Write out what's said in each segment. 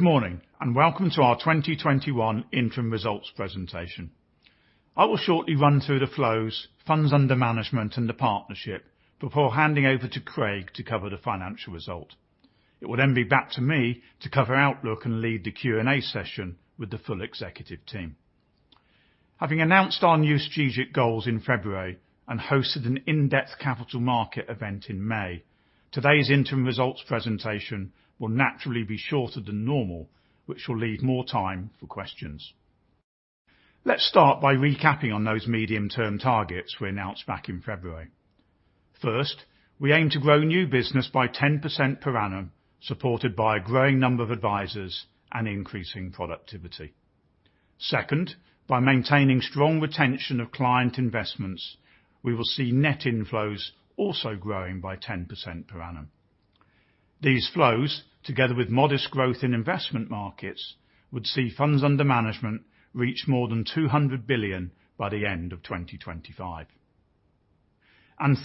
Good morning. Welcome to our 2021 interim results presentation. I will shortly run through the flows, funds under management, and the partnership before handing over to Craig to cover the financial result. It will then be back to me to cover outlook and lead the Q&A session with the full executive team. Having announced our new strategic goals in February and hosted an in-depth capital market event in May, today's interim results presentation will naturally be shorter than normal, which will leave more time for questions. Let's start by recapping on those medium-term targets we announced back in February. First, we aim to grow new business by 10% per annum, supported by a growing number of advisors and increasing productivity. Second, by maintaining strong retention of client investments, we will see net inflows also growing by 10% per annum. These flows, together with modest growth in investment markets, would see funds under management reach more than 200 billion by the end of 2025.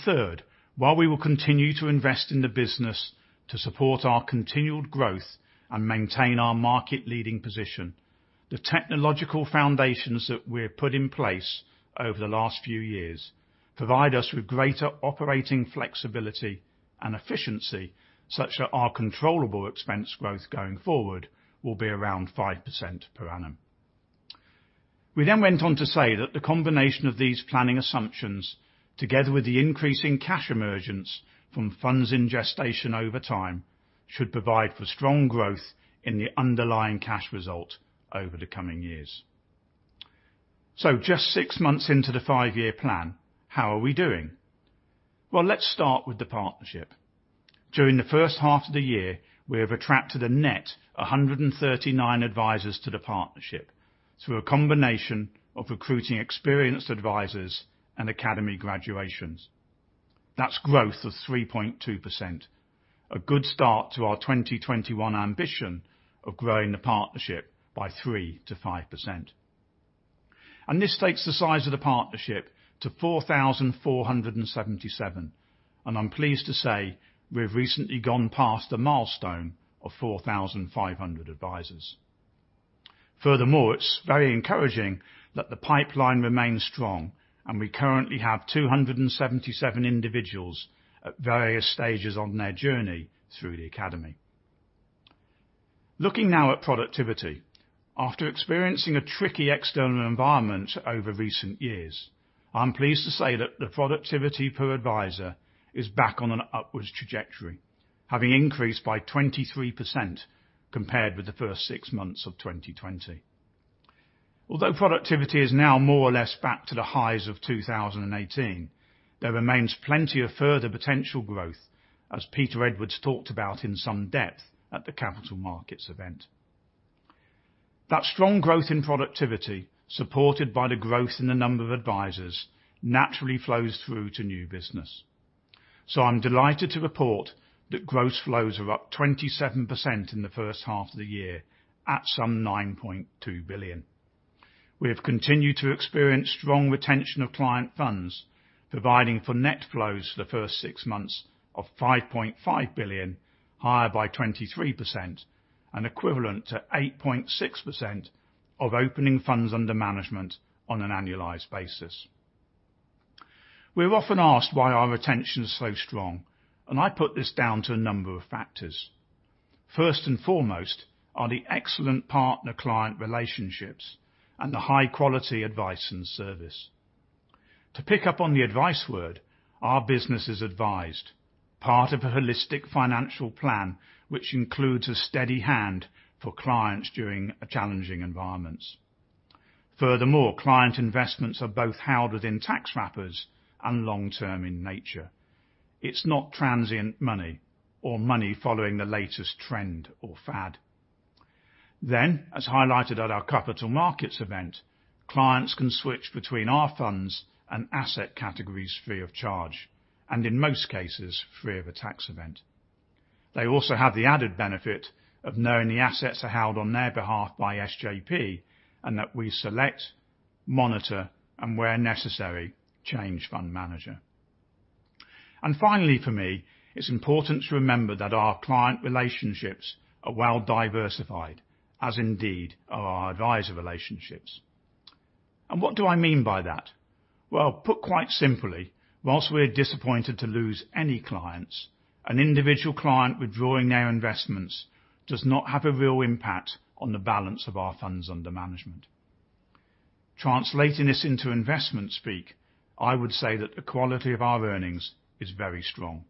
Third, while we will continue to invest in the business to support our continual growth and maintain our market-leading position, the technological foundations that we have put in place over the last few years provide us with greater operating flexibility and efficiency such that our controllable expense growth going forward will be around 5% per annum. We went on to say that the combination of these planning assumptions, together with the increase in cash emergence from funds in gestation over time, should provide for strong growth in the underlying cash result over the coming years. Just six months into the five-year plan, how are we doing? Well, let's start with the partnership. During the first half of the year, we have attracted a net 139 advisors to the partnership through a combination of recruiting experienced advisors and academy graduations. That's growth of 3.2%, a good start to our 2021 ambition of growing the partnership by 3%-5%. This takes the size of the partnership to 4,477, and I'm pleased to say we've recently gone past the milestone of 4,500 advisors. Furthermore, it's very encouraging that the pipeline remains strong, and we currently have 277 individuals at various stages on their journey through the academy. Looking now at productivity. After experiencing a tricky external environment over recent years, I'm pleased to say that the productivity per advisor is back on an upwards trajectory, having increased by 23% compared with the first six months of 2020. Although productivity is now more or less back to the highs of 2018, there remains plenty of further potential growth, as Peter Edwards talked about in some depth at the Capital Markets event. That strong growth in productivity, supported by the growth in the number of advisors, naturally flows through to new business. I am delighted to report that gross flows are up 27% in the first half of the year at some 9.2 billion. We have continued to experience strong retention of client funds, providing for net flows for the first six months of 5.5 billion, higher by 23%, and equivalent to 8.6% of opening funds under management on an annualized basis. We are often asked why our retention is so strong, I put this down to a number of factors. First and foremost are the excellent partner-client relationships and the high-quality advice and service. To pick up on the advice word, our business is advised, part of a holistic financial plan, which includes a steady hand for clients during challenging environments. Furthermore, client investments are both held within tax wrappers and long-term in nature. It's not transient money or money following the latest trend or fad. As highlighted at our Capital Markets event, clients can switch between our funds and asset categories free of charge and, in most cases, free of a tax event. They also have the added benefit of knowing the assets are held on their behalf by SJP and that we select, monitor, and where necessary, change fund manager. Finally, for me, it's important to remember that our client relationships are well diversified, as indeed are our advisor relationships. What do I mean by that? Well, put quite simply, whilst we're disappointed to lose any clients, an individual client withdrawing their investments does not have a real impact on the balance of our funds under management. Translating this into investment speak, I would say that the quality of our earnings is very strong.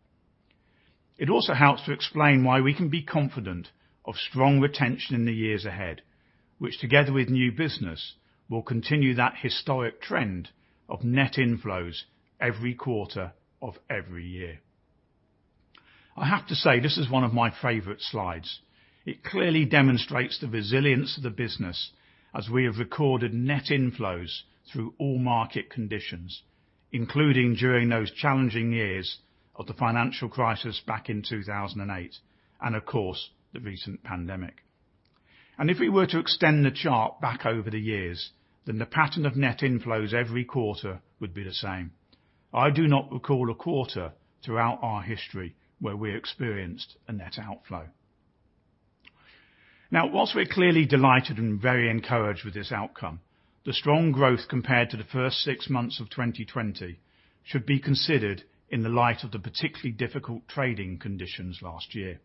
It also helps to explain why we can be confident of strong retention in the years ahead, which together with new business, will continue that historic trend of net inflows every quarter of every year. I have to say, this is 1 of my favorite slides. It clearly demonstrates the resilience of the business as we have recorded net inflows through all market conditions, including during those challenging years of the financial crisis back in 2008 and of course, the recent pandemic. If we were to extend the chart back over the years, then the pattern of net inflows every quarter would be the same. I do not recall a quarter throughout our history where we experienced a net outflow. Whilst we're clearly delighted and very encouraged with this outcome, the strong growth compared to the first six months of 2020 should be considered in the light of the particularly difficult trading conditions last year.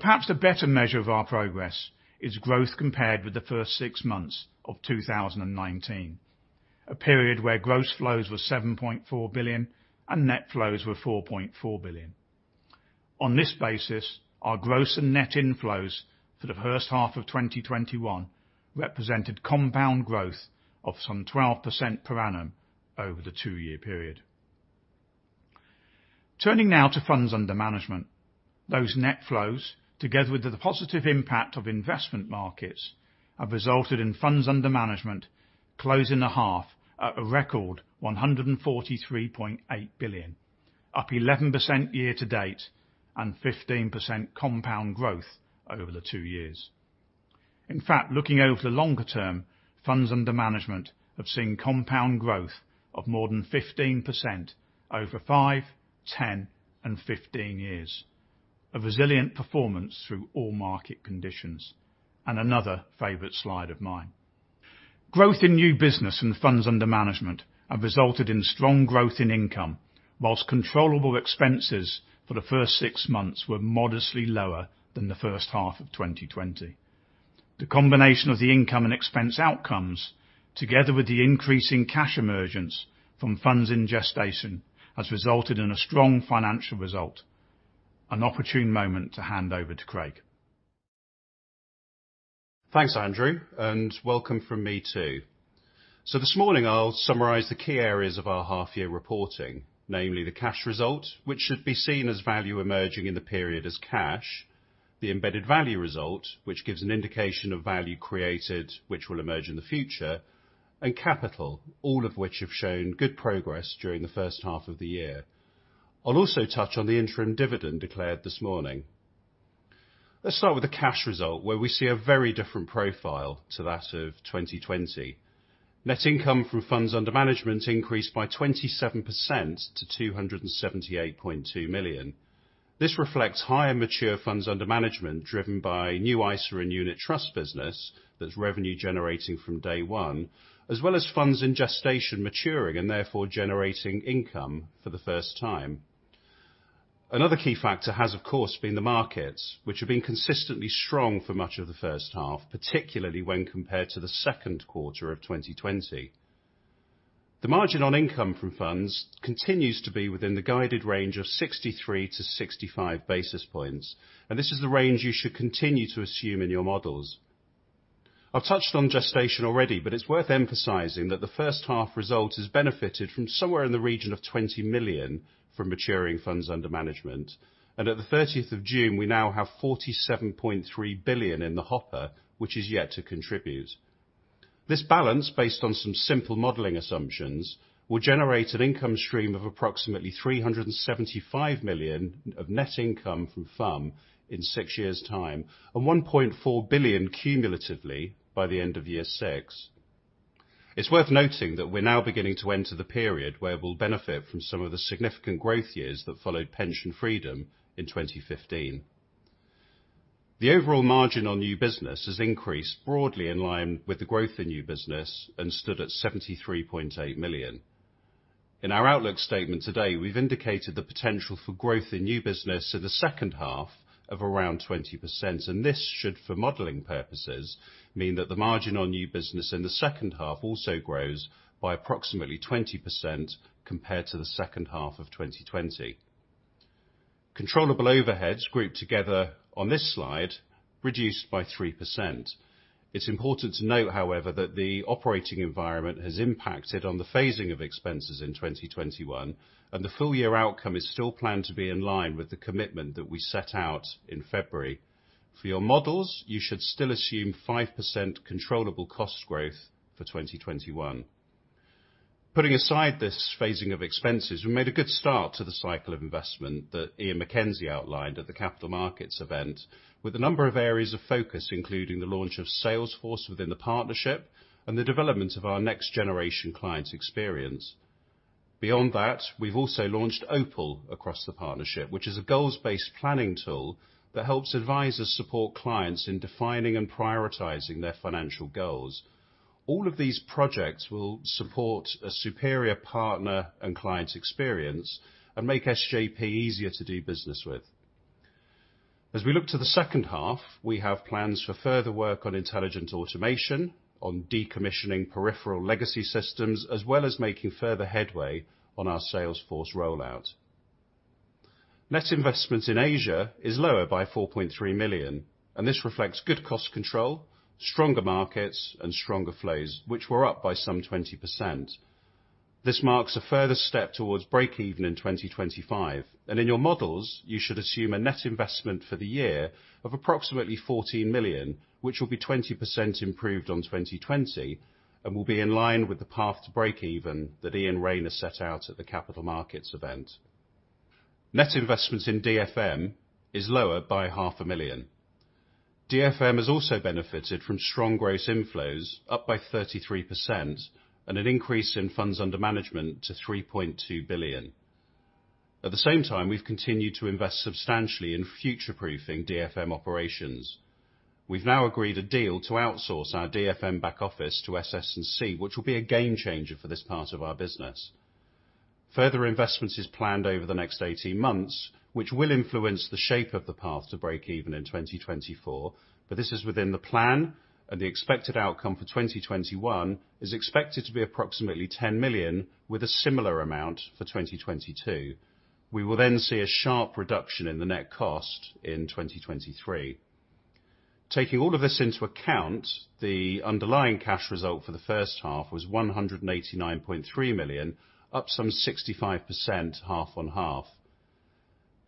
Perhaps a better measure of our progress is growth compared with the first six months of 2019, a period where gross flows were 7.4 billion and net flows were 4.4 billion. On this basis, our gross and net inflows for the first half of 2021 represented compound growth of some 12% per annum over the two year period. Turning now to funds under management, those net flows, together with the positive impact of investment markets, have resulted in funds under management closing the half at a record 143.8 billion, up 11% year-to-date, and 15% compound growth over the two years. In fact, looking over the longer term, funds under management have seen compound growth of more than 15% over five, 10 and 15 years. A resilient performance through all market conditions, and another favorite slide of mine. Growth in new business and funds under management have resulted in strong growth in income, whilst controllable expenses for the first 6 months were modestly lower than the first half of 2020. The combination of the income and expense outcomes, together with the increase in cash emergence from funds in gestation, has resulted in a strong financial result. An opportune moment to hand over to Craig. Thanks, Andrew, and welcome from me, too. This morning I'll summarize the key areas of our half-year reporting, namely the cash result, which should be seen as value emerging in the period as cash, the embedded value result, which gives an indication of value created which will emerge in the future, and capital, all of which have shown good progress during the first half of the year. I'll also touch on the interim dividend declared this morning. Let's start with the cash result, where we see a very different profile to that of 2020. Net income from funds under management increased by 27% to 278.2 million. This reflects higher mature funds under management, driven by new ISA and unit trust business that's revenue generating from day one, as well as funds in gestation maturing and therefore generating income for the first time. Another key factor has, of course, been the markets, which have been consistently strong for much of the first half, particularly when compared to the second quarter of 2020. The margin on income from funds continues to be within the guided range of 63-65 basis points, and this is the range you should continue to assume in your models. I've touched on gestation already, but it's worth emphasizing that the first-half result has benefited from somewhere in the region of 20 million from maturing funds under management. At the 30th of June, we now have 47.3 billion in the hopper, which is yet to contribute. This balance, based on some simple modeling assumptions, will generate an income stream of approximately 375 million of net income from FUM in six years' time, and 1.4 billion cumulatively by the end of year six. It's worth noting that we're now beginning to enter the period where we'll benefit from some of the significant growth years that followed pension freedom in 2015. The overall margin on new business has increased broadly in line with the growth in new business and stood at 73.8 million. In our outlook statement today, we've indicated the potential for growth in new business in the second half of around 20%. This should, for modeling purposes, mean that the margin on new business in the second half also grows by approximately 20% compared to the second half of 2020. Controllable overheads grouped together on this slide reduced by 3%. It's important to note, however, that the operating environment has impacted on the phasing of expenses in 2021, and the full-year outcome is still planned to be in line with the commitment that we set out in February. For your models, you should still assume 5% controllable cost growth for 2021. Putting aside this phasing of expenses, we made a good start to the cycle of investment that Ian MacKenzie outlined at the Capital Markets event, with a number of areas of focus, including the launch of Salesforce within the partnership and the development of our next-generation client experience. Beyond that, we've also launched OPAL across the partnership, which is a goals-based planning tool that helps advisors support clients in defining and prioritizing their financial goals. All of these projects will support a superior partner and client experience and make SJP easier to do business with. As we look to the second half, we have plans for further work on intelligent automation, on decommissioning peripheral legacy systems, as well as making further headway on our Salesforce rollout. Net investment in Asia is lower by 4.3 million. This reflects good cost control, stronger markets and stronger flows, which were up by some 20%. This marks a further step towards break even in 2025. In your models, you should assume a net investment for the year of approximately 14 million, which will be 20% improved on 2020 and will be in line with the path to break even that Iain Rayner set out at the Capital Markets event. Net investment in DFM is lower by half a million GBP. DFM has also benefited from strong gross inflows, up by 33%, and an increase in funds under management to 3.2 billion. At the same time, we've continued to invest substantially in future-proofing DFM operations. We've now agreed a deal to outsource our DFM back office to SS&C, which will be a game changer for this part of our business. Further investments is planned over the next 18 months, which will influence the shape of the path to break even in 2024, but this is within the plan, and the expected outcome for 2021 is expected to be approximately 10 million, with a similar amount for 2022. We will see a sharp reduction in the net cost in 2023. Taking all of this into account, the underlying cash result for the first half was 189.3 million, up some 65% half-on-half.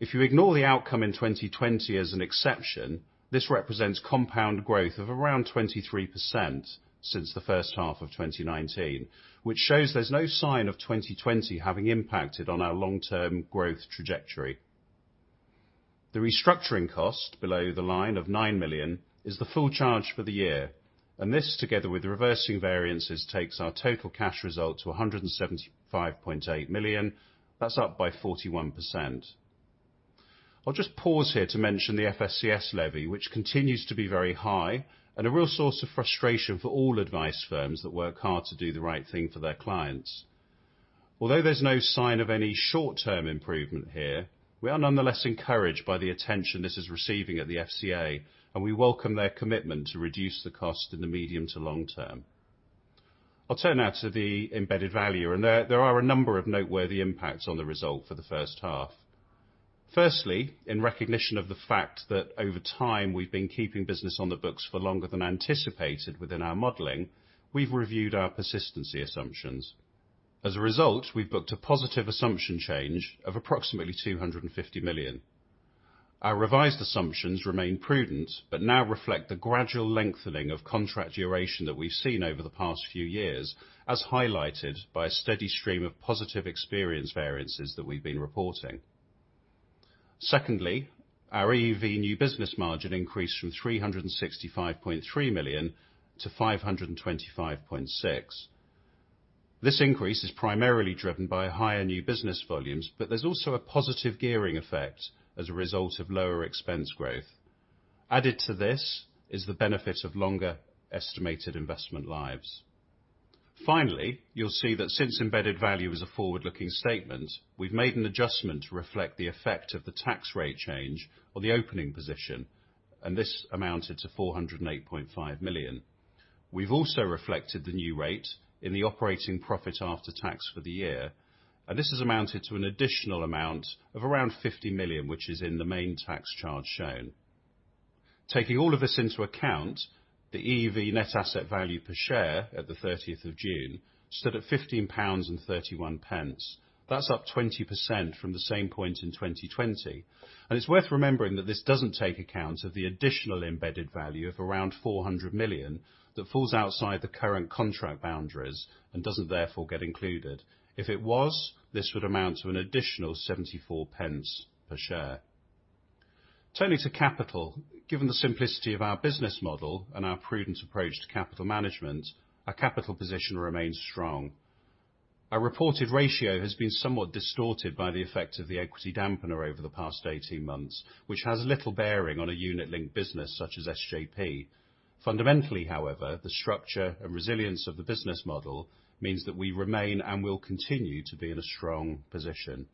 If you ignore the outcome in 2020 as an exception, this represents compound growth of around 23% since the first half of 2019, which shows there's no sign of 2020 having impacted on our long-term growth trajectory. The restructuring cost below the line of 9 million is the full charge for the year. This, together with reversing variances, takes our total cash result to 175.8 million. That's up by 41%. I'll just pause here to mention the FSCS levy, which continues to be very high and a real source of frustration for all advice firms that work hard to do the right thing for their clients. Although there's no sign of any short-term improvement here, we are nonetheless encouraged by the attention this is receiving at the FCA, and we welcome their commitment to reduce the cost in the medium to long term. I'll turn now to the embedded value, and there are a number of noteworthy impacts on the result for the first half. Firstly, in recognition of the fact that over time we've been keeping business on the books for longer than anticipated within our modeling, we've reviewed our persistency assumptions. As a result, we've booked a positive assumption change of approximately 250 million. Our revised assumptions remain prudent. Now reflect the gradual lengthening of contract duration that we've seen over the past few years, as highlighted by a steady stream of positive experience variances that we've been reporting. Secondly, our EEV new business margin increased from 365.3 million-525.6 million. This increase is primarily driven by higher new business volumes, but there's also a positive gearing effect as a result of lower expense growth. Added to this is the benefit of longer estimated investment lives. Finally, you'll see that since embedded value is a forward-looking statement, we've made an adjustment to reflect the effect of the tax rate change on the opening position. This amounted to 408.5 million. We've also reflected the new rate in the operating profit after tax for the year. This has amounted to an additional amount of around 50 million, which is in the main tax charge shown. Taking all of this into account, the EEV net asset value per share at the 30th of June stood at 15.31 pounds. That's up 20% from the same point in 2020. It's worth remembering that this doesn't take account of the additional embedded value of around 400 million that falls outside the current contract boundaries and doesn't therefore get included. If it was, this would amount to an additional 0.74 per share. Turning to capital. Given the simplicity of our business model and our prudent approach to capital management, our capital position remains strong. Our reported ratio has been somewhat distorted by the effect of the equity dampener over the past 18 months, which has little bearing on a unit-linked business such as SJP. Fundamentally, however, the structure and resilience of the business model means that we remain and will continue to be in a strong position.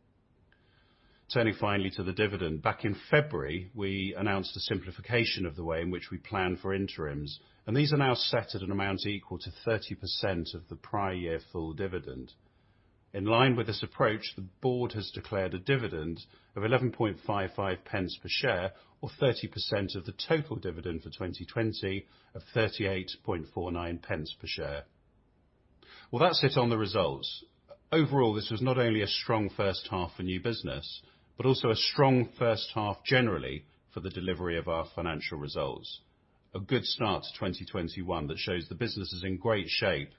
Turning finally to the dividend. Back in February, we announced a simplification of the way in which we plan for interims, and these are now set at an amount equal to 30% of the prior year full dividend. In line with this approach, the board has declared a dividend of 0.1155 per share or 30% of the total dividend for 2020 of 0.3849 per share. Well, that's it on the results. Overall, this was not only a strong first half for new business, but also a strong first half generally for the delivery of our financial results. A good start to 2021 that shows the business is in great shape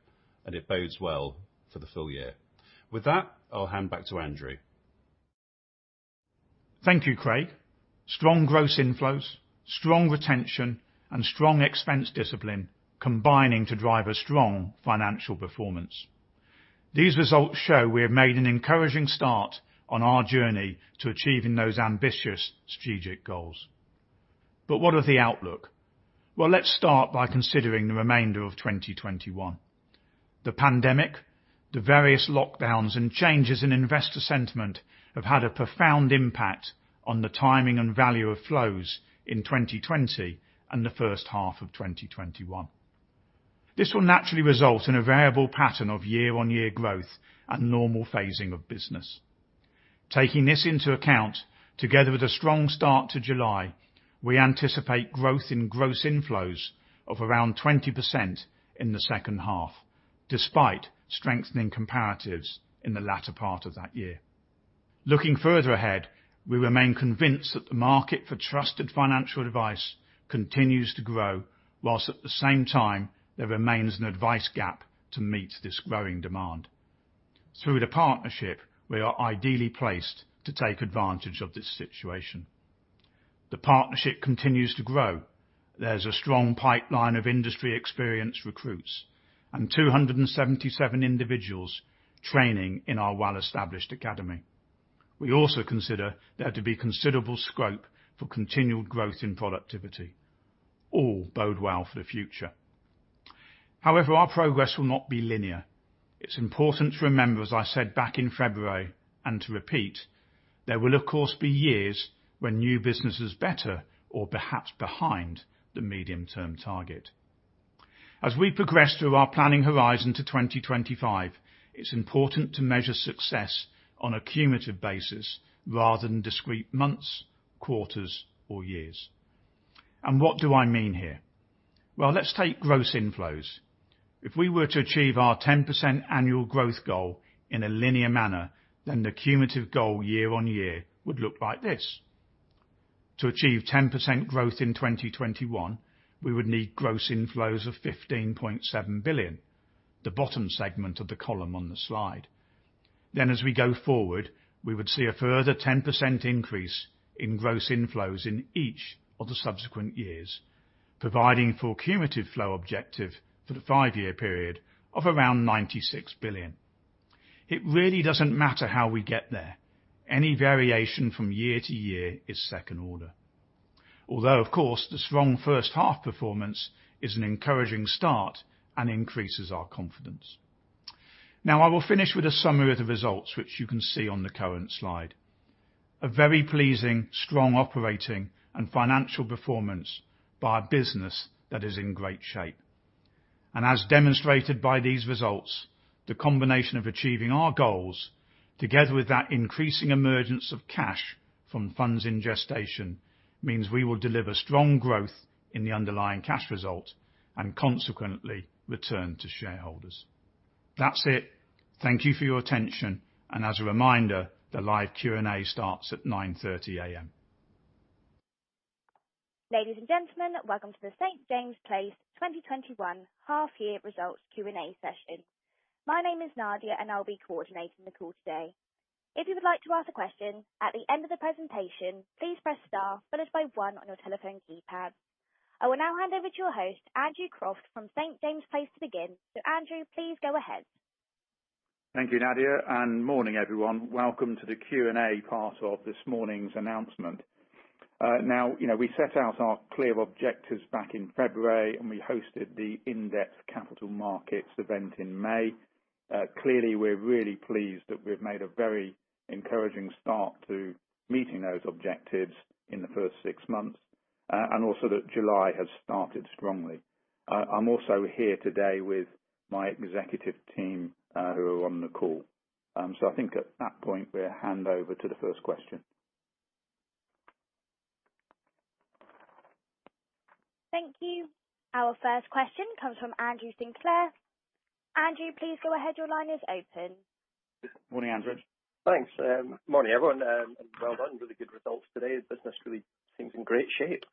and it bodes well for the full-year. With that, I'll hand back to Andrew. Thank you, Craig. Strong gross inflows, strong retention, and strong expense discipline combining to drive a strong financial performance. These results show we have made an encouraging start on our journey to achieving those ambitious strategic goals. What of the outlook? Well, let's start by considering the remainder of 2021. The pandemic, the various lockdowns, and changes in investor sentiment have had a profound impact on the timing and value of flows in 2020 and the first half of 2021. This will naturally result in a variable pattern of year-on-year growth and normal phasing of business. Taking this into account, together with a strong start to July, we anticipate growth in gross inflows of around 20% in the second half, despite strengthening comparatives in the latter part of that year. Looking further ahead, we remain convinced that the market for trusted financial advice continues to grow, while at the same time there remains an advice gap to meet this growing demand. Through the partnership, we are ideally placed to take advantage of this situation. The partnership continues to grow. There's a strong pipeline of industry experience recruits and 277 individuals training in our well-established academy. We also consider there to be considerable scope for continual growth in productivity. All bode well for the future. However, our progress will not be linear. It's important to remember, as I said back in February, and to repeat, there will, of course, be years when new business is better or perhaps behind the medium-term target. As we progress through our planning horizon to 2025, it's important to measure success on a cumulative basis rather than discrete months, quarters, or years. What do I mean here? Well, let's take gross inflows. If we were to achieve our 10% annual growth goal in a linear manner, then the cumulative goal year-on-year would look like this. To achieve 10% growth in 2021, we would need gross inflows of 15.7 billion, the bottom segment of the column on the slide. As we go forward, we would see a further 10% increase in gross inflows in each of the subsequent years, providing for a cumulative flow objective for the five year period of around 96 billion. It really doesn't matter how we get there. Any variation from year-to-year is second order. Although, of course, the strong first half performance is an encouraging start and increases our confidence. Now, I will finish with a summary of the results, which you can see on the current slide. A very pleasing, strong operating and financial performance by a business that is in great shape. As demonstrated by these results, the combination of achieving our goals, together with that increasing emergence of cash from funds in gestation, means we will deliver strong growth in the underlying cash result and consequently return to shareholders. That's it. Thank you for your attention. As a reminder, the live Q&A starts at 9:30 A.M. Ladies and gentlemen, welcome to the St. James's Place 2021 half year results Q&A session. My name is Nadia, and I'll be coordinating the call today. If you would like to ask a question, at the end of the presentation, please press star followed by one on your telephone keypad. I will now hand over to your host, Andrew Croft from St. James's Place to begin. Andrew, please go ahead. Thank you, Nadia. Morning, everyone. Welcome to the Q&A part of this morning's announcement. We set out our clear objectives back in February, and we hosted the in-depth capital markets event in May. We're really pleased that we've made a very encouraging start to meeting those objectives in the first six months, and also that July has started strongly. I'm also here today with my executive team, who are on the call. I think at that point, we'll hand over to the first question. Thank you. Our first question comes from Andrew Sinclair. Andrew, please go ahead. Your line is open. Morning, Andrew. Thanks. Morning, everyone, and well done. Really good results today. Business really seems in great shape.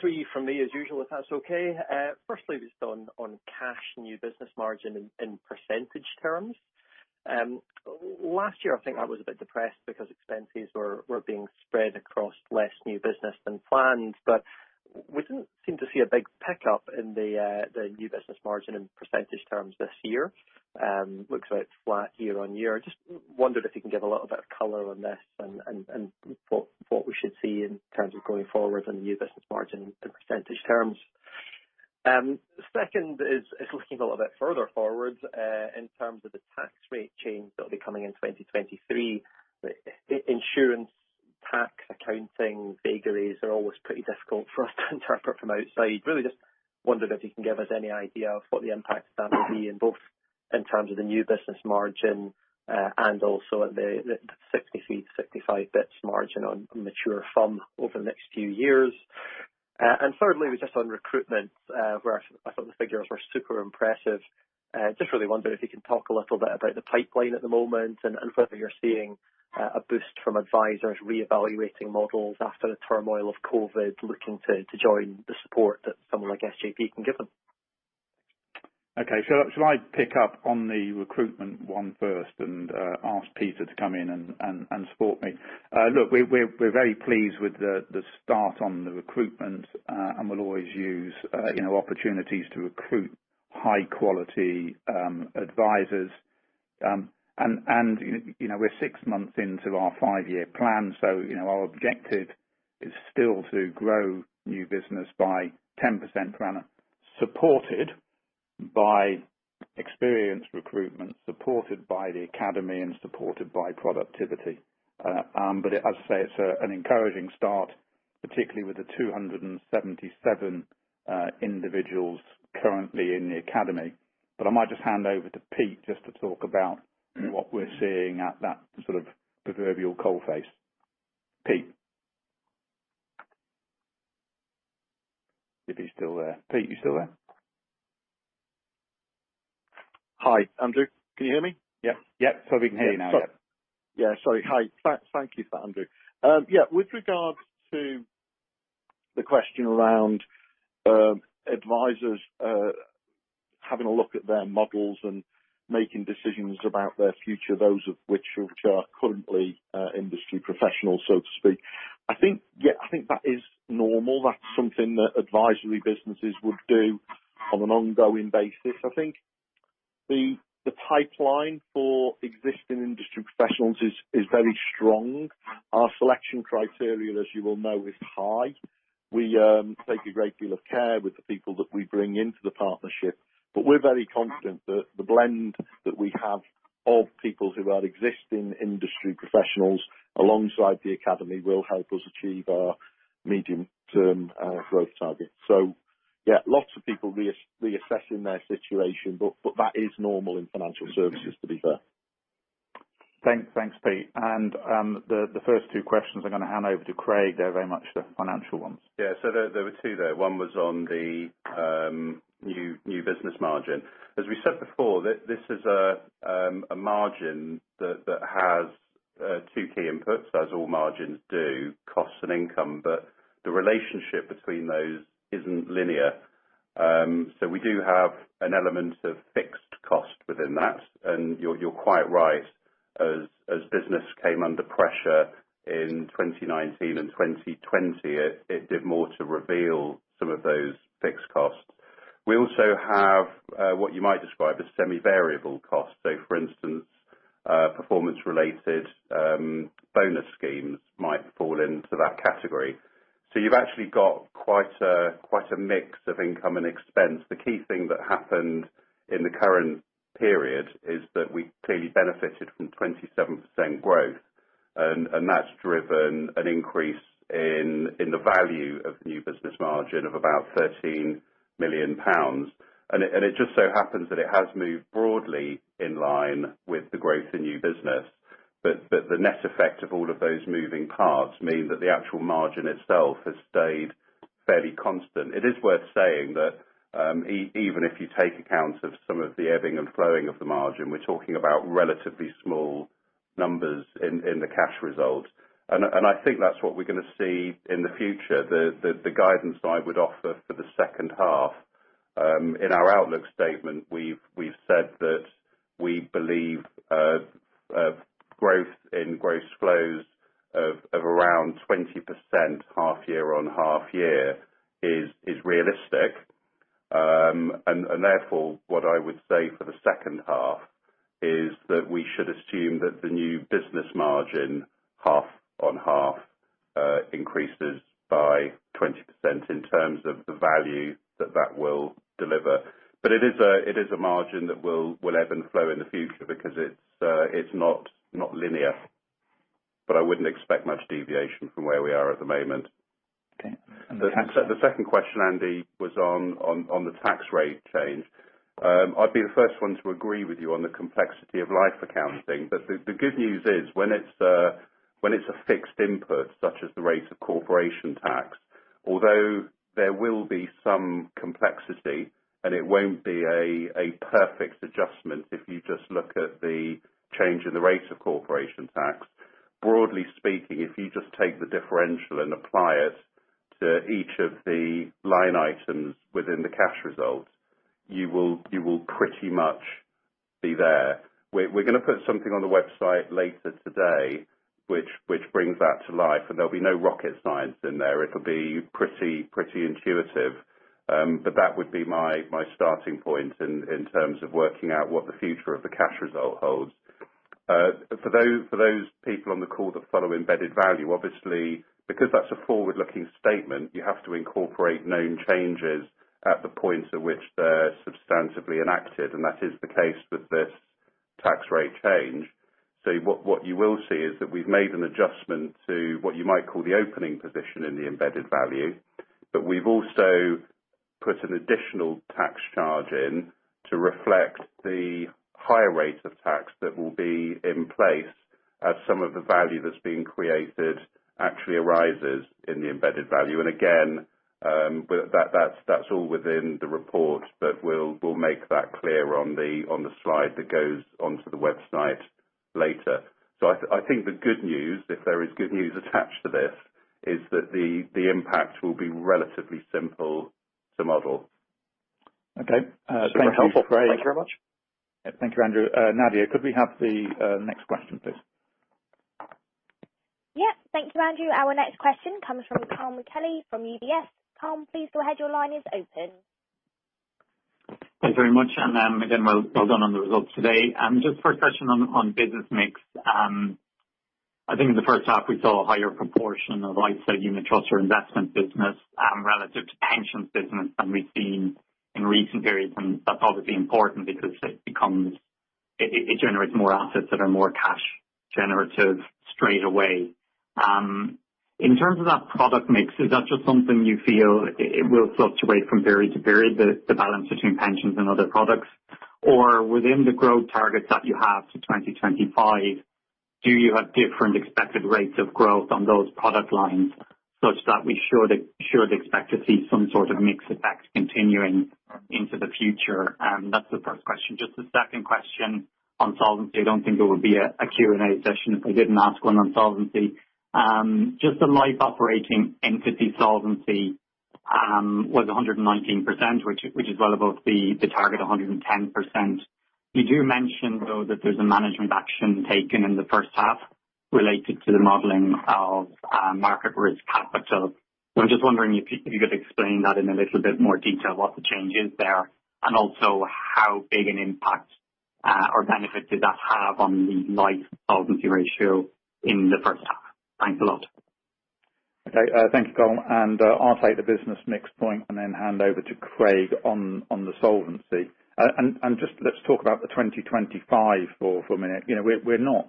Three from me as usual, if that's okay. Firstly, just on cash new business margin in percentage terms. Last year, I think that was a bit depressed because expenses were being spread across less new business than planned. We didn't seem to see a big pickup in the new business margin in percentage terms this year. Looks about flat year-on-year. Just wondered if you can give a little bit of color on this and what we should see in terms of going forward in the new business margin in percentage terms. Second is looking a little bit further forward, in terms of the tax rate change that will be coming in 2023. Insurance tax accounting vagaries are always pretty difficult for us to interpret from outside. Really just wondered if you can give us any idea of what the impact of that will be in both in terms of the new business margin, and also at the 60, 65 basis points margin on mature FUM over the next few years. Thirdly, I was just on recruitment, where I thought the figures were super impressive. I was just really wondering if you can talk a little bit about the pipeline at the moment and whether you're seeing a boost from advisors reevaluating models after the turmoil of COVID, looking to join the support that someone like SJP can give them. Okay. Shall I pick up on the recruitment one first and ask Peter to come in and support me? Look, we're very pleased with the start on the recruitment, we'll always use opportunities to recruit high-quality advisors. We're six months into our five year plan, so our objective is still to grow new business by 10% per annum, supported by experienced recruitment, supported by the academy, and supported by productivity. As I say, it's an encouraging start, particularly with the 277 individuals currently in the academy. I might just hand over to Pete just to talk about what we're seeing at that sort of proverbial coal face. Pete. If he's still there. Pete, you still there? Hi, Andrew. Can you hear me? Yep. Totally can hear you now. Yep. Yeah. Sorry. Hi. Thank you for that, Andrew. Yeah. The question around advisors having a look at their models and making decisions about their future, those of which are currently industry professionals, so to speak. I think that is normal. That's something that advisory businesses would do on an ongoing basis. I think the pipeline for existing industry professionals is very strong. Our selection criteria, as you will know, is high. We take a great deal of care with the people that we bring into the partnership, but we're very confident that the blend that we have of people who are existing industry professionals alongside the academy will help us achieve our medium-term growth targets. Yeah, lots of people reassessing their situation, but that is normal in financial services, to be fair. Thanks, Pete. The first two questions I'm going to hand over to Craig. They're very much the financial ones. Yeah. There were two there. One was on the new business margin. As we said before, this is a margin that has two key inputs, as all margins do, cost and income, but the relationship between those isn't linear. We do have an element of fixed cost within that, and you're quite right. As business came under pressure in 2019 and 2020, it did more to reveal some of those fixed costs. We also have what you might describe as semi-variable costs. For instance, performance-related bonus schemes might fall into that category. You've actually got quite a mix of income and expense. The key thing that happened in the current period is that we clearly benefited from 27% growth, and that's driven an increase in the value of new business margin of about 13 million pounds. It just so happens that it has moved broadly in line with the growth in new business. The net effect of all of those moving parts mean that the actual margin itself has stayed fairly constant. It is worth saying that, even if you take account of some of the ebbing and flowing of the margin, we're talking about relatively small numbers in the cash result. I think that's what we're going to see in the future. The guidance I would offer for the second half. In our outlook statement, we've said that we believe growth in gross flows of around 20% half year on half year is realistic. Therefore, what I would say for the second half is that we should assume that the new business margin, half-on-half, increases by 20% in terms of the value that that will deliver. It is a margin that will ebb and flow in the future because it's not linear. I wouldn't expect much deviation from where we are at the moment. Okay. The second question, Andrew, was on the tax rate change. I'd be the first one to agree with you on the complexity of life accounting. The good news is, when it's a fixed input, such as the rate of corporation tax, although there will be some complexity and it won't be a perfect adjustment if you just look at the change in the rate of corporation tax, broadly speaking, if you just take the differential and apply it to each of the line items within the cash results, you will pretty much be there. We're going to put something on the website later today which brings that to life, and there'll be no rocket science in there. It'll be pretty intuitive. That would be my starting point in terms of working out what the future of the cash result holds. For those people on the call that follow embedded value, obviously, because that's a forward-looking statement, you have to incorporate known changes at the point at which they're substantively enacted, and that is the case with this tax rate change. What you will see is that we've made an adjustment to what you might call the opening position in the embedded value. We've also put an additional tax charge in to reflect the higher rate of tax that will be in place as some of the value that's being created actually arises in the embedded value. Again, that's all within the report, but we'll make that clear on the slide that goes onto the website later. I think the good news, if there is good news attached to this, is that the impact will be relatively simple to model. Okay. Thank you, Craig. That's very helpful. Thank you very much. Thank you, Andrew. Nadia, could we have the next question, please? Yeah. Thank you, Andrew. Our next question comes from Colm Kelly from UBS. Colm, please go ahead. Your line is open. Thanks very much. Again, well done on the results today. Just 1st question on business mix. I think in the 1st half we saw a higher proportion of, like you said, unit trust or investment business relative to pensions business than we've seen in recent periods, and that's obviously important because it generates more assets that are more cash generative straight away. In terms of that product mix, is that just something you feel it will fluctuate from period to period, the balance between pensions and other products? Within the growth targets that you have to 2025, do you have different expected rates of growth on those product lines such that we should expect to see some sort of mix effect continuing into the future? That's the 1st question. Just the 2nd question on solvency. I don't think there would be a Q&A session if I didn't ask one on solvency. Just the life operating entity solvency was 119%, which is well above the target 110%. You do mention, though, that there's a management action taken in the first half related to the modeling of market risk capital. I'm just wondering if you could explain that in a little bit more detail, what the change is there, and also how big an impact or benefit did that have on the life solvency ratio in the first half. Thanks a lot. Okay. Thank you, Colm. I'll take the business mix point and then hand over to Craig on the solvency. Just let's talk about the 2025 for a minute. We're not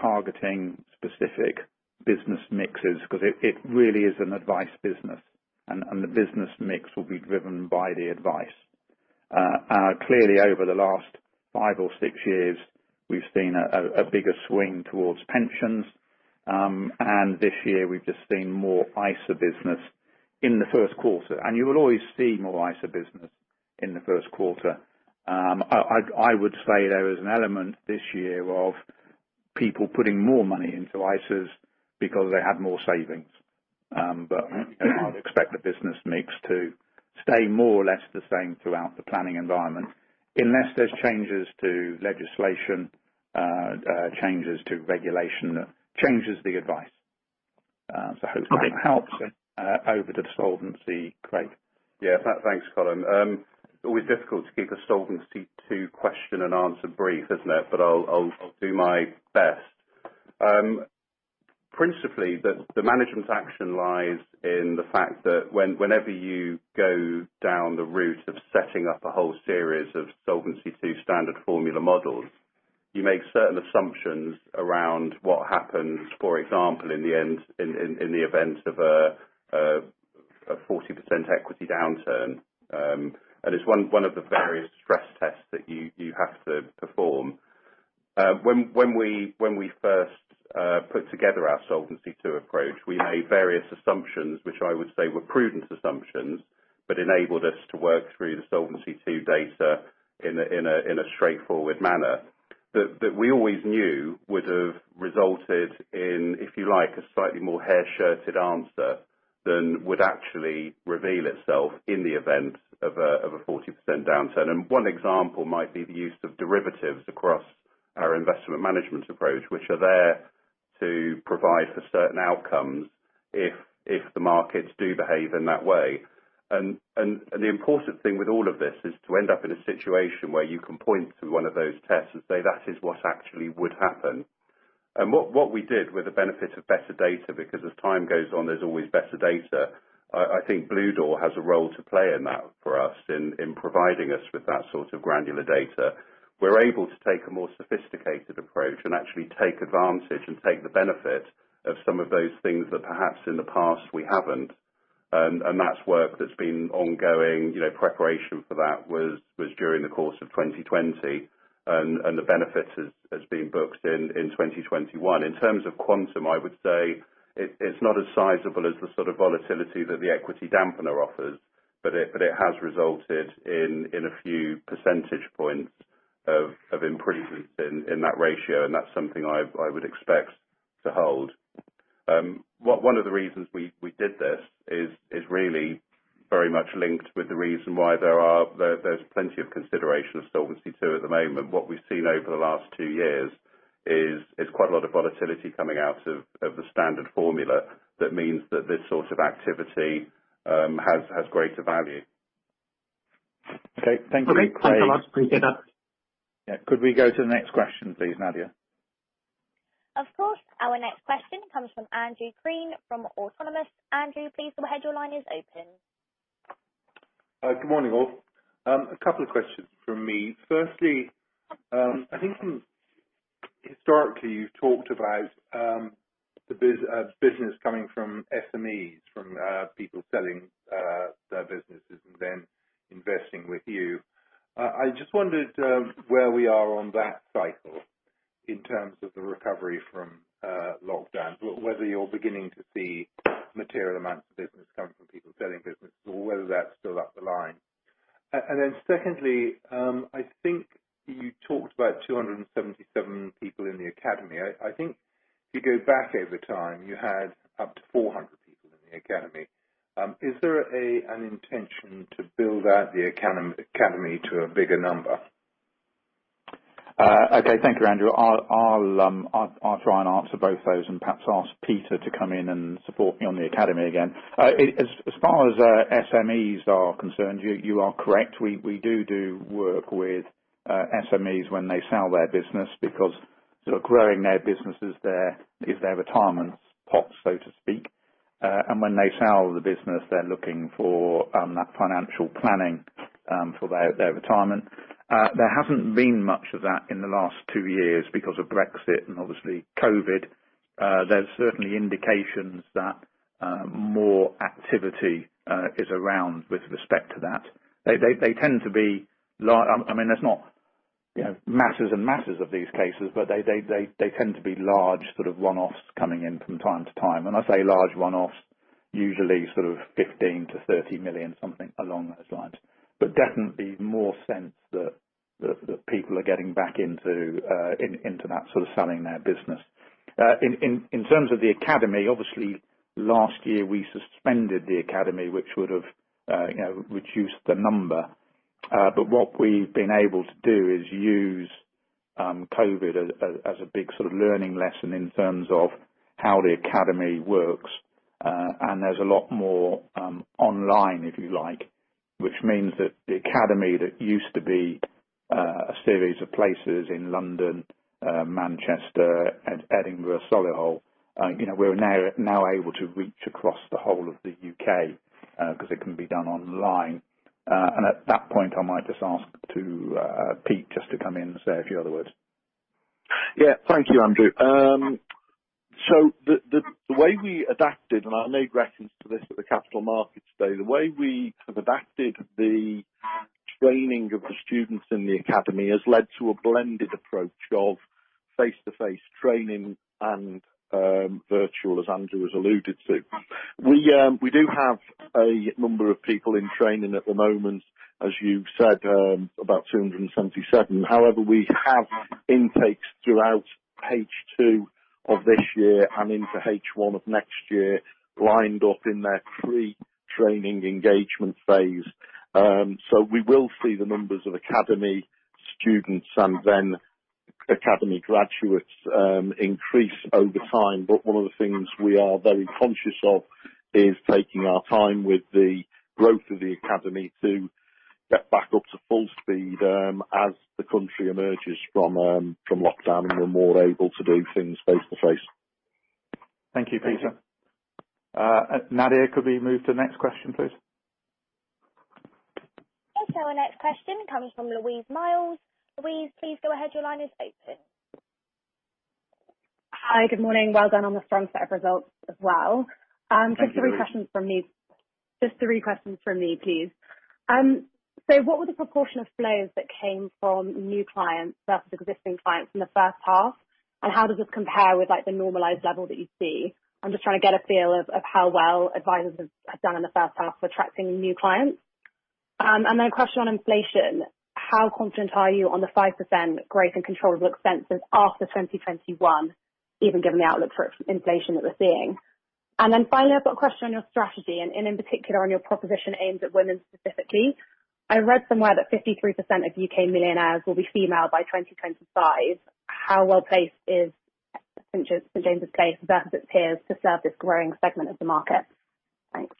targeting specific business mixes because it really is an advice business, and the business mix will be driven by the advice. Clearly, over the last five or six years, we've seen a bigger swing towards pensions. This year we've just seen more ISA business in the first quarter. You will always see more ISA business in the first quarter. I would say there is an element this year of people putting more money into ISAs because they have more savings. I would expect the business mix to stay more or less the same throughout the planning environment unless there's changes to legislation, changes to regulation that changes the advice. Hopefully that helps. Over to the solvency, Craig. Thanks, Colm. It's always difficult to keep a Solvency II question and answer brief, isn't it? I'll do my best. Principally, the management action lies in the fact that whenever you go down the route of setting up a whole series of Solvency II standard formula models, you make certain assumptions around what happens, for example, in the event of a 40% equity downturn. It's one of the various stress tests that you have to perform. When we first put together our Solvency II approach, we made various assumptions, which I would say were prudent assumptions, but enabled us to work through the Solvency II data in a straightforward manner, that we always knew would have resulted in, if you like, a slightly more hair-shirted answer than would actually reveal itself in the event of a 40% downturn. One example might be the use of derivatives across our investment management approach, which are there to provide for certain outcomes if the markets do behave in that way. The important thing with all of this is to end up in a situation where you can point to one of those tests and say, "That is what actually would happen." What we did with the benefit of better data, because as time goes on, there's always better data. I think Bluedoor has a role to play in that for us in providing us with that sort of granular data. We're able to take a more sophisticated approach and actually take advantage and take the benefit of some of those things that perhaps in the past we haven't. That's work that's been ongoing. Preparation for that was during the course of 2020. The benefit has been booked in 2021. In terms of quantum, I would say it's not as sizable as the sort of volatility that the equity dampener offers, but it has resulted in a few percentage points of improvement in that ratio, and that's something I would expect to hold. One of the reasons we did this is really very much linked with the reason why there's plenty of consideration of Solvency II at the moment. What we've seen over the last two years is quite a lot of volatility coming out of the standard formula that means that this sort of activity has greater value. Okay. Thank you, Craig. Thanks a lot. Appreciate that. Yeah. Could we go to the next question, please, Nadia? Of course. Our next question comes from Andrew Crean from Autonomous. Andrew, please go ahead. Your line is open. Good morning, all. two questions from me. Firstly, I think historically you've talked about the business coming from SMEs, from people selling their businesses and then investing with you. I just wondered where we are on that cycle in terms of the recovery from lockdowns. Whether you're beginning to see material amounts of business coming from people selling businesses or whether that's still up the line. Secondly, I think you talked about 277 people in the academy. I think if you go back over time, you had up to 400 people in the academy. Is there an intention to build out the academy to a bigger number? Okay. Thank you, Andrew. I'll try and answer both those and perhaps ask Peter Edwards to come in and support me on the academy again. As far as SMEs are concerned, you are correct. We do work with SMEs when they sell their business because they're growing their businesses there is their retirement pot, so to speak. When they sell the business, they're looking for that financial planning for their retirement. There hasn't been much of that in the last two years because of Brexit and obviously COVID. There's certainly indications that more activity is around with respect to that. There's not masses and masses of these cases, they tend to be large sort of runoffs coming in from time to time. I say large runoffs, usually sort of 15 million-30 million, something along those lines. Definitely more sense that people are getting back into that sort of selling their business. In terms of the academy, obviously last year we suspended the academy, which would have reduced the number. What we've been able to do is use COVID as a big sort of learning lesson in terms of how the academy works. There's a lot more online, if you like, which means that the academy that used to be a series of places in London, Manchester, and Edinburgh, Solihull, we're now able to reach across the whole of the U.K., because it can be done online. At that point, I might just ask Pete to come in and say a few other words. Thank you, Andrew. The way we adapted, and I made reference to this at the Capital Markets Day, the way we have adapted the training of the students in the academy has led to a blended approach of face-to-face training and virtual, as Andrew has alluded to. We do have a number of people in training at the moment, as you said, about 277. We have intakes throughout H2 of this year and into H1 of next year lined up in their free training engagement phase. We will see the numbers of academy students and then academy graduates increase over time. One of the things we are very conscious of is taking our time with the growth of the academy to get back up to full speed as the country emerges from lockdown and we're more able to do things face-to-face. Thank you, Peter. Nadia, could we move to the next question, please? Okay. Our next question comes from Louise Miles. Louise, please go ahead. Your line is open. Hi. Good morning. Well done on the front set of results as well. Thank you. Just three questions from me, please. What were the proportion of flows that came from new clients versus existing clients in the first half? How does this compare with the normalized level that you see? I'm just trying to get a feel of how well advisers have done in the first half attracting new clients. A question on inflation. How confident are you on the 5% growth and controllable expenses after 2021, even given the outlook for inflation that we're seeing? Finally, I've got a question on your strategy, and in particular, on your proposition aimed at women specifically. I read somewhere that 53% of U.K. millionaires will be female by 2025. How well-placed is St. James's Place versus its peers to serve this growing segment of the market? Thanks.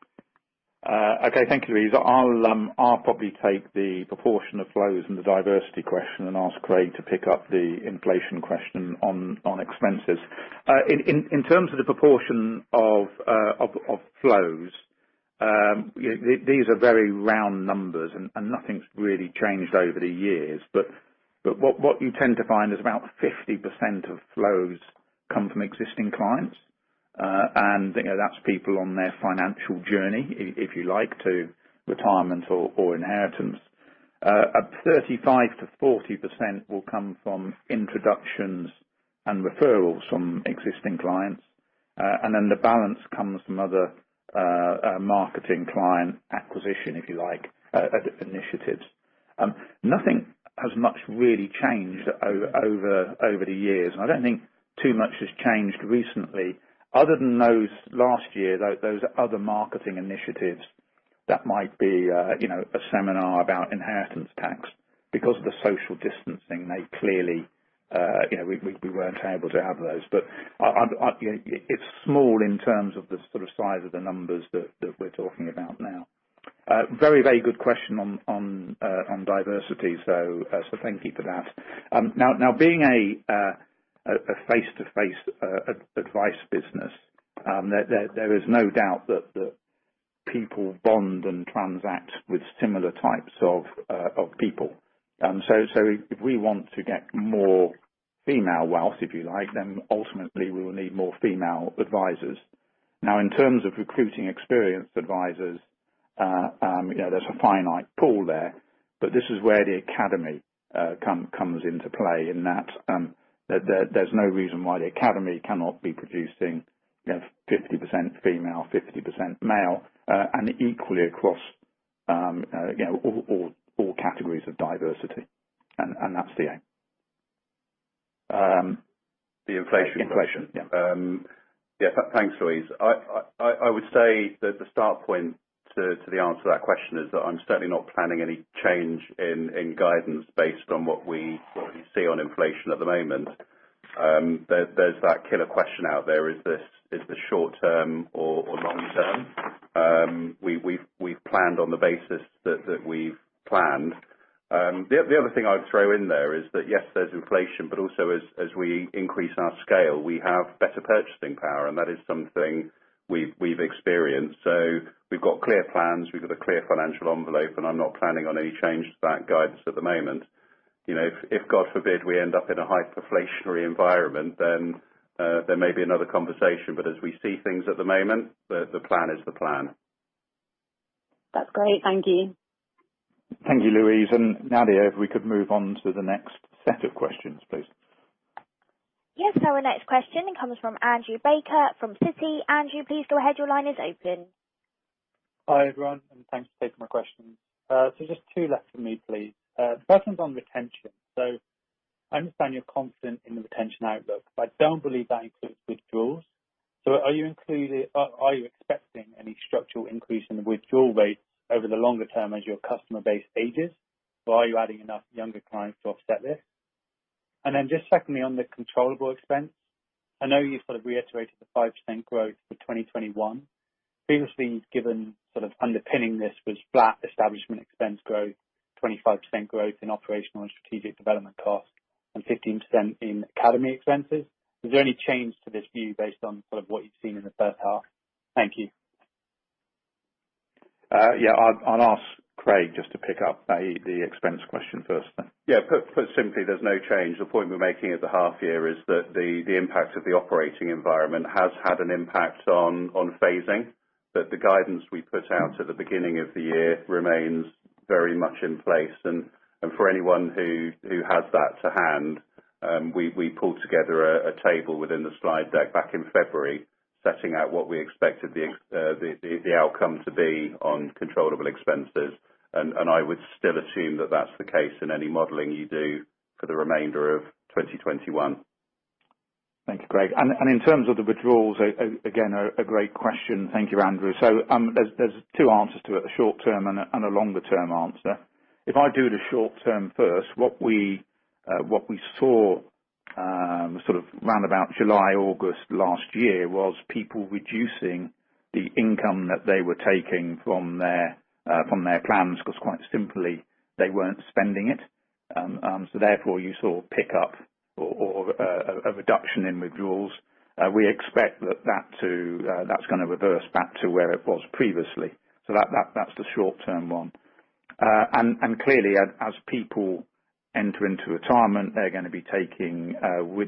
Okay. Thank you, Louise. I'll probably take the proportion of flows and the diversity question, and ask Craig to pick up the inflation question on expenses. In terms of the proportion of flows, these are very round numbers, nothing's really changed over the years. What you tend to find is about 50% of flows come from existing clients. That's people on their financial journey, if you like, to retirement or inheritance. At 35%-40% will come from introductions and referrals from existing clients. The balance comes from other marketing client acquisition, if you like, initiatives. Nothing has much really changed over the years. I don't think too much has changed recently. Other than those last year, those other marketing initiatives that might be a seminar about inheritance tax. Because of the social distancing, they clearly, we weren't able to have those. It's small in terms of the sort of size of the numbers that we're talking about now. Very good question on diversity. Thank you for that. Being a face-to-face advice business, there is no doubt that people bond and transact with similar types of people. If we want to get more female wealth, if you like, then ultimately we will need more female advisers. In terms of recruiting experienced advisers, there's a finite pool there. This is where the academy comes into play in that there's no reason why the academy cannot be producing 50% female, 50% male, and equally across all categories of diversity. That's the aim. The inflation question. Inflation. Yeah. Thanks, Louise. I would say that the start point to the answer to that question is that I'm certainly not planning any change in guidance based on what we see on inflation at the moment. There's that killer question out there. Is this short-term or long-term? We've planned on the basis that we've planned. The other thing I'd throw in there is that, yes, there's inflation, but also as we increase our scale, we have better purchasing power, and that is something we've experienced. We've got clear plans, we've got a clear financial envelope, and I'm not planning on any change to that guidance at the moment. If God forbid, we end up in a hyperinflationary environment, then there may be another conversation. As we see things at the moment, the plan is the plan. That's great. Thank you. Thank you, Louise. Nadia, if we could move on to the next set of questions, please. Yes. Our next question comes from Andrew Baker from Citi. Andrew, please go ahead. Your line is open. Hi, everyone. Thanks for taking my questions. Just two left for me, please. First one's on retention. I understand you're confident in the retention outlook, but I don't believe that includes withdrawals. Are you expecting any structural increase in the withdrawal rates over the longer term as your customer base ages? Are you adding enough younger clients to offset this? Just secondly, on the controllable expense, I know you sort of reiterated the 5% growth for 2021. Previously, you've given sort of underpinning this was flat establishment expense growth, 25% growth in operational and strategic development costs, and 15% in academy expenses. Is there any change to this view based on sort of what you've seen in the first half? Thank you. Yeah. I'll ask Craig just to pick up the expense question first then. Yeah. Put simply, there's no change. The point we were making at the half year is that the impact of the operating environment has had an impact on phasing, but the guidance we put out at the beginning of the year remains very much in place. For anyone who has that to hand, we pulled together a table within the slide deck back in February setting out what we expected the outcome to be on controllable expenses. I would still assume that that's the case in any modeling you do for the remainder of 2021. Thank you, Craig. In terms of the withdrawals, again, a great question. Thank you, Andrew. There's two answers to it, a short-term and a longer-term answer. If I do the short-term first, what we saw sort of round about July, August last year was people reducing the income that they were taking from their plans, because quite simply, they weren't spending it. Therefore, you saw a pickup or a reduction in withdrawals. We expect that's going to reverse back to where it was previously. That's the short-term one. Clearly, as people enter into retirement, they're going to be taking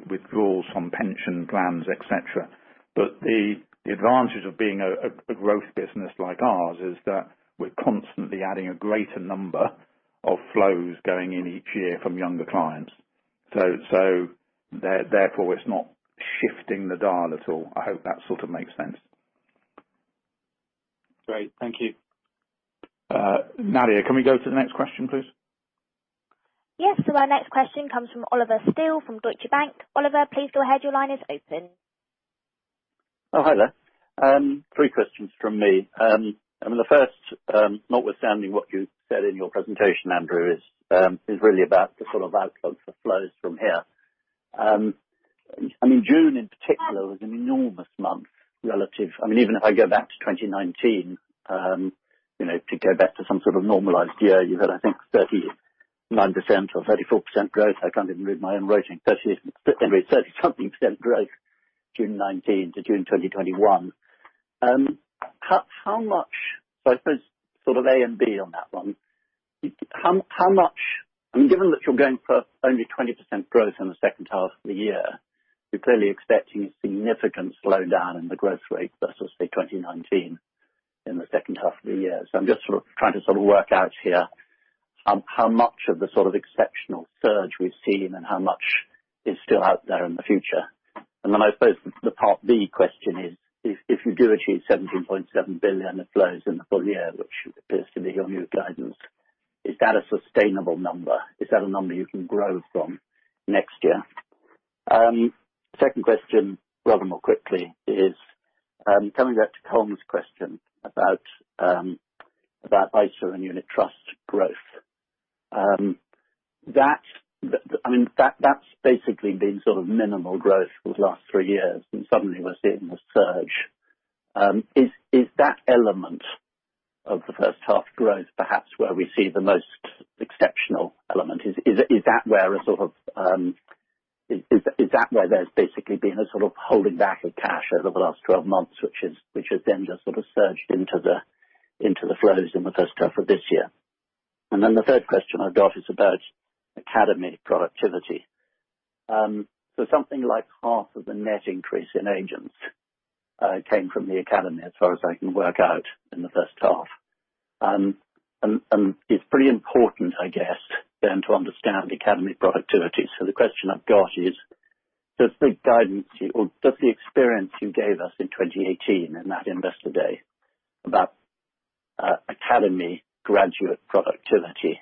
withdrawals from pension plans, et cetera. The advantage of being a growth business like ours is that we're constantly adding a greater number of flows going in each year from younger clients. Therefore, it's not shifting the dial at all. I hope that sort of makes sense. Great. Thank you. Nadia, can we go to the next question, please? Yes. Our next question comes from Oliver Steel from Deutsche Bank. Oliver, please go ahead. Your line is open. Hi there. Three questions from me. The first, notwithstanding what you said in your presentation, Andrew, is really about the sort of outcome for flows from here. June in particular was an enormous month. Even if I go back to 2019, to go back to some sort of normalized year, you've had, I think, 39% or 34% growth. I can't even read my own writing. 30-something percent growth, June 2019 to June 2021. I suppose sort of A and B on that one. Given that you're going for only 20% growth in the second half of the year, you're clearly expecting a significant slowdown in the growth rate versus, say, 2019 in the second half of the year. I'm just sort of trying to sort of work out here how much of the sort of exceptional surge we've seen and how much is still out there in the future. I suppose the part B question is, if you do achieve 17.7 billion of flows in the full-year, which appears to be your new guidance, is that a sustainable number? Is that a number you can grow from next year? Second question, rather more quickly, is coming back to Colm's question about ISA and unit trust growth. That's basically been sort of minimal growth for the last three years, and suddenly we're seeing a surge. Is that element of the first half growth perhaps where we see the most exceptional element? Is that where there's basically been a sort of holding back of cash over the last 12 months, which has then just sort of surged into the flows in the first half of this year? The third question I've got is about academy productivity. Something like half of the net increase in agents came from the academy, as far as I can work out, in the first half. It's pretty important, I guess, then to understand the academy productivity. The question I've got is, does the guidance or does the experience you gave us in 2018 in that investor day about academy graduate productivity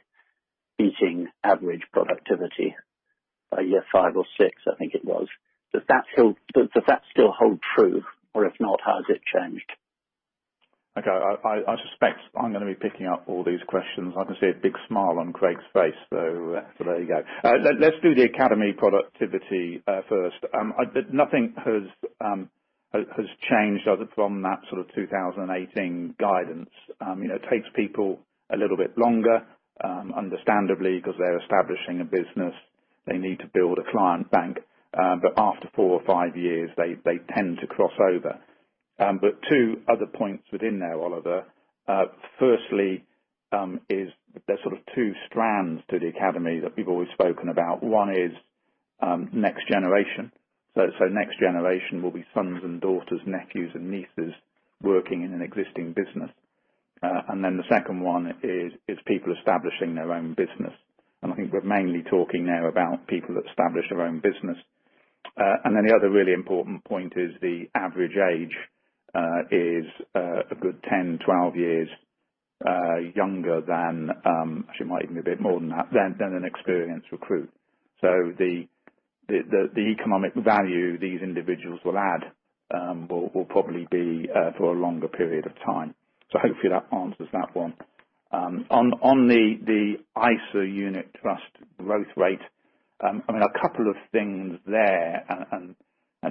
beating average productivity by year five or six, I think it was, still hold true? If not, how has it changed? Okay. I suspect I'm going to be picking up all these questions. I can see a big smile on Craig's face, there you go. Let's do the academy productivity first. Nothing has changed from that sort of 2018 guidance. It takes people a little bit longer, understandably, because they're establishing a business. They need to build a client bank. After four or five years, they tend to cross over. Two other points within there, Ollie. Firstly, there's sort of two strands to the academy that people have spoken about. One is next generation. Next generation will be sons and daughters, nephews and nieces working in an existing business. The second one is people establishing their own business. I think we're mainly talking now about people that establish their own business. Then the other really important point is the average age is a good 10, 12 years younger than, actually might even be a bit more than that, than an experienced recruit. The economic value these individuals will add will probably be for a longer period of time. Hopefully that answers that one. On the ISA unit trust growth rate, a couple of things there, and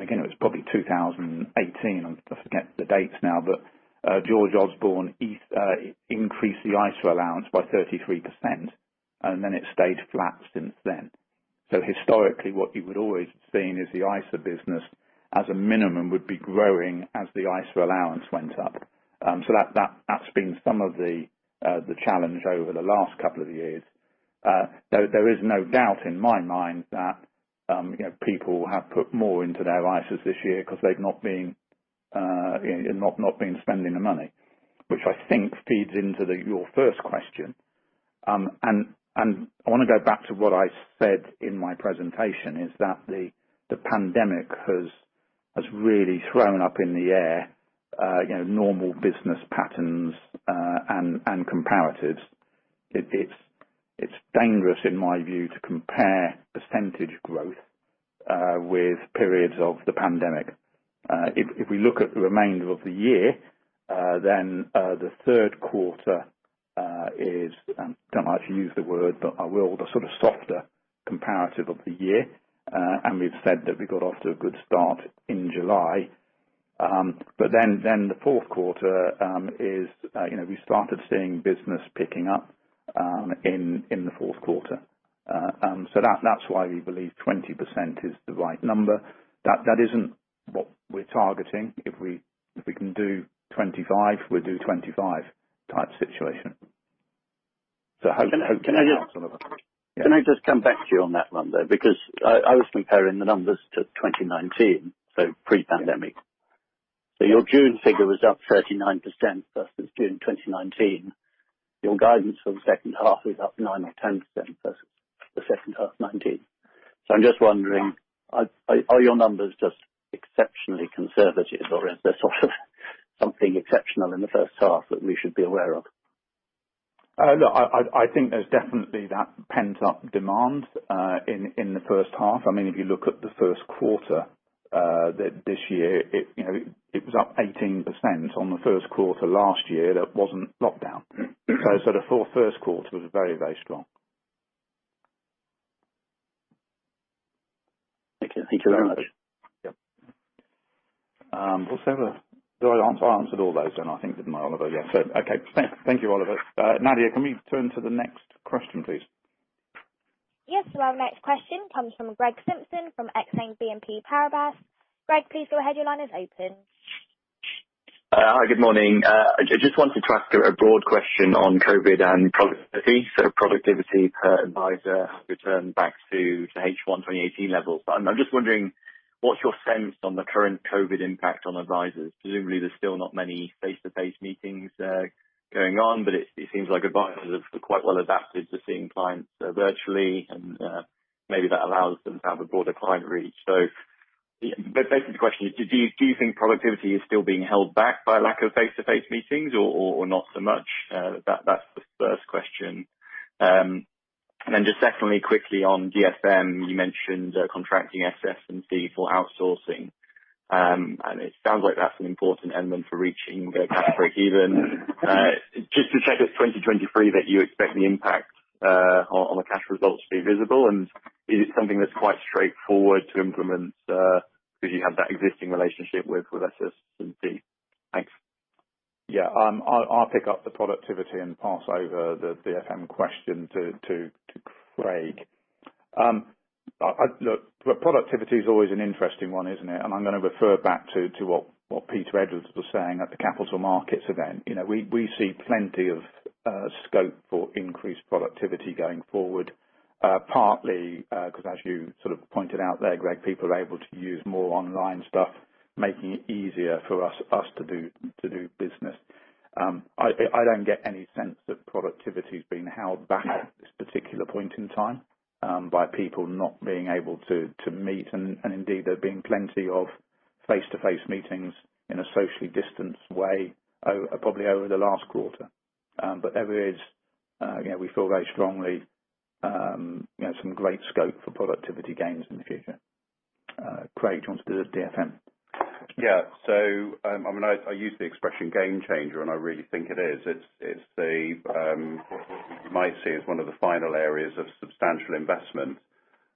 again, it was probably 2018, I forget the dates now, but George Osborne increased the ISA allowance by 33%, and then it stayed flat since then. Historically, what you would always have seen is the ISA business, as a minimum, would be growing as the ISA allowance went up. That's been some of the challenge over the last couple of years. Though there is no doubt in my mind that people have put more into their ISAs this year because they've not been spending the money, which I think feeds into your first question. I want to go back to what I said in my presentation, is that the pandemic has really thrown up in the air normal business patterns and comparatives. It's dangerous, in my view, to compare percentage growth with periods of the pandemic. If we look at the remainder of the year, then the third quarter is, I don't like to use the word, but I will, the sort of softer comparative of the year. We've said that we got off to a good start in July. The fourth quarter is, we started seeing business picking up in the fourth quarter. That's why we believe 20% is the right number. That isn't what we're targeting. If we can do 25, we'll do 25 type situation. Hopefully that answers some of them. Can I just come back to you on that one, though? I was comparing the numbers to 2019, so pre-pandemic. Your June figure was up 39% versus June 2019. Your guidance for the second half is up 9% or 10% versus the second half 2019. I'm just wondering, are your numbers just exceptionally conservative or is there something exceptional in the first half that we should be aware of? Look, I think there's definitely that pent-up demand in the first half. If you look at the first quarter this year, it was up 18% on the first quarter last year that wasn't lockdown. The 4 first quarters were very, very strong. Thank you. Thank you very much. Yep. What's the other? Did I answer? I answered all those then I think, didn't I, Oliver? Yeah. Okay. Thank you, Oliver. Nadia, can we turn to the next question, please? Yes. Our next question comes from Greg Simpson from Exane BNP Paribas. Greg, please go ahead. Your line is open. Hi. Good morning. I just wanted to ask a broad question on COVID and productivity. Productivity per advisor has returned back to H1 2018 levels. I'm just wondering, what's your sense on the current COVID impact on advisors? Presumably there's still not many face-to-face meetings going on, but it seems like advisors have quite well adapted to seeing clients virtually, and maybe that allows them to have a broader client reach. Basically, the question is, do you think productivity is still being held back by lack of face-to-face meetings or not so much? That's the first question. Just secondly, quickly on DFM, you mentioned contracting SS&C for outsourcing. It sounds like that's an important element for reaching the cash break even. Just to check if 2023 that you expect the impact on the cash results to be visible, and is it something that's quite straightforward to implement because you have that existing relationship with SS&C? Thanks. Yeah. I'll pick up the productivity and pass over the DFM question to Craig. Look, productivity is always an interesting one, isn't it? I'm going to refer back to what Peter Edwards was saying at the capital markets event. We see plenty of scope for increased productivity going forward, partly because, as you sort of pointed out there, Greg, people are able to use more online stuff, making it easier for us to do business. I don't get any sense that productivity is being held back at this particular point in time by people not being able to meet. Indeed, there have been plenty of face-to-face meetings in a socially distanced way, probably over the last quarter. There is, we feel very strongly, some great scope for productivity gains in the future. Craig, do you want to do the DFM? Yeah. I use the expression game changer, and I really think it is. It's what you might see as one of the final areas of substantial investment.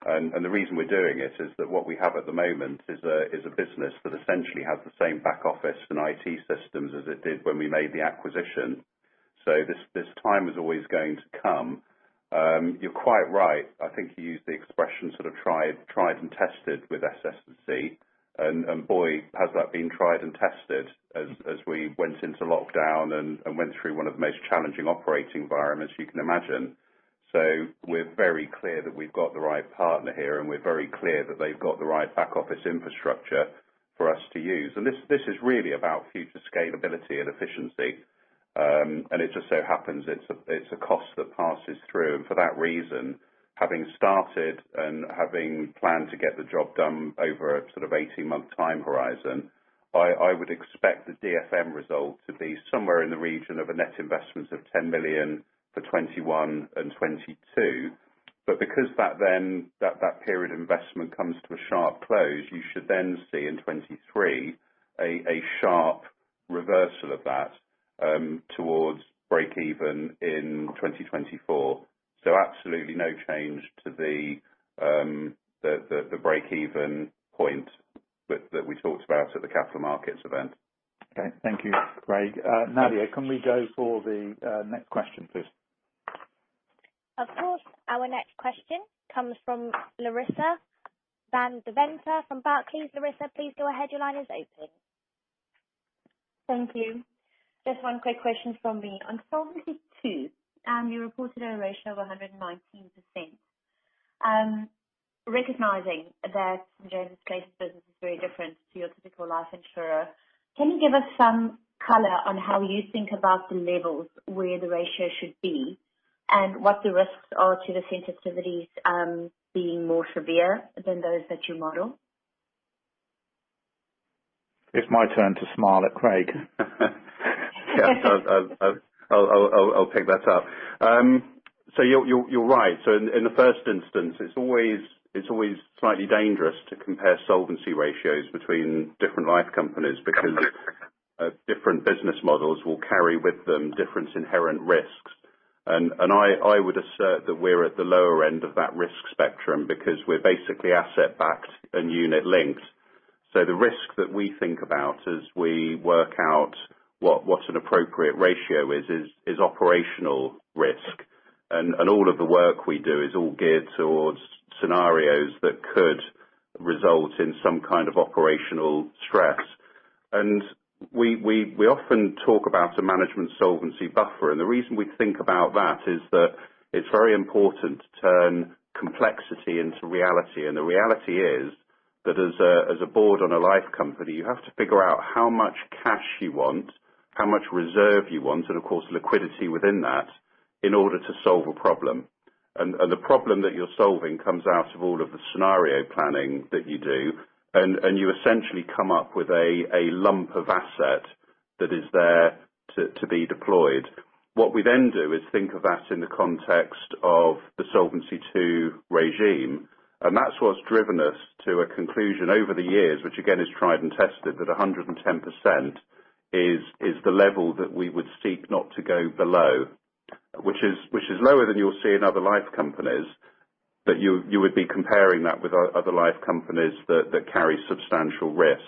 The reason we're doing it is that what we have at the moment is a business that essentially has the same back office and IT systems as it did when we made the acquisition. This time was always going to come. You're quite right. I think you used the expression sort of tried and tested with SS&C. Boy, has that been tried and tested as we went into lockdown and went through one of the most challenging operating environments you can imagine. We're very clear that we've got the right partner here, and we're very clear that they've got the right back-office infrastructure for us to use. This is really about future scalability and efficiency. It just so happens it's a cost that passes through. For that reason, having started and having planned to get the job done over an 18 month time horizon, I would expect the DFM result to be somewhere in the region of a net investment of 10 million for 2021 and 2022. Because that period of investment comes to a sharp close, you should then see in 2023 a sharp reversal of that towards breakeven in 2024. Absolutely no change to the breakeven point that we talked about at the capital markets event. Okay. Thank you, Craig. Nadia, can we go for the next question, please? Of course. Our next question comes from Larissa van Deventer from Barclays. Larissa, please go ahead. Your line is open. Thank you. Just one quick question from me on Solvency II. You reported a ratio of 119%. Recognizing that St. James's Place business is very different to your typical life insurer, can you give us some color on how you think about the levels, where the ratio should be, and what the risks are to the sensitivities being more severe than those that you model? It's my turn to smile at Craig. Yeah. I'll pick that up. You're right. In the first instance, it's always slightly dangerous to compare solvency ratios between different life companies, because different business models will carry with them different inherent risks. I would assert that we're at the lower end of that risk spectrum because we're basically asset-backed and unit-linked. The risk that we think about as we work out what an appropriate ratio is operational risk. All of the work we do is all geared towards scenarios that could result in some kind of operational stress. We often talk about a management solvency buffer. The reason we think about that is that it's very important to turn complexity into reality. The reality is that as a board on a life company, you have to figure out how much cash you want, how much reserve you want, and of course, liquidity within that, in order to solve a problem. The problem that you're solving comes out of all of the scenario planning that you do, and you essentially come up with a lump of asset that is there to be deployed. What we then do is think of that in the context of the Solvency II regime, and that's what's driven us to a conclusion over the years, which again, is tried and tested, that 110% is the level that we would seek not to go below, which is lower than you'll see in other life companies. You would be comparing that with other life companies that carry substantial risk.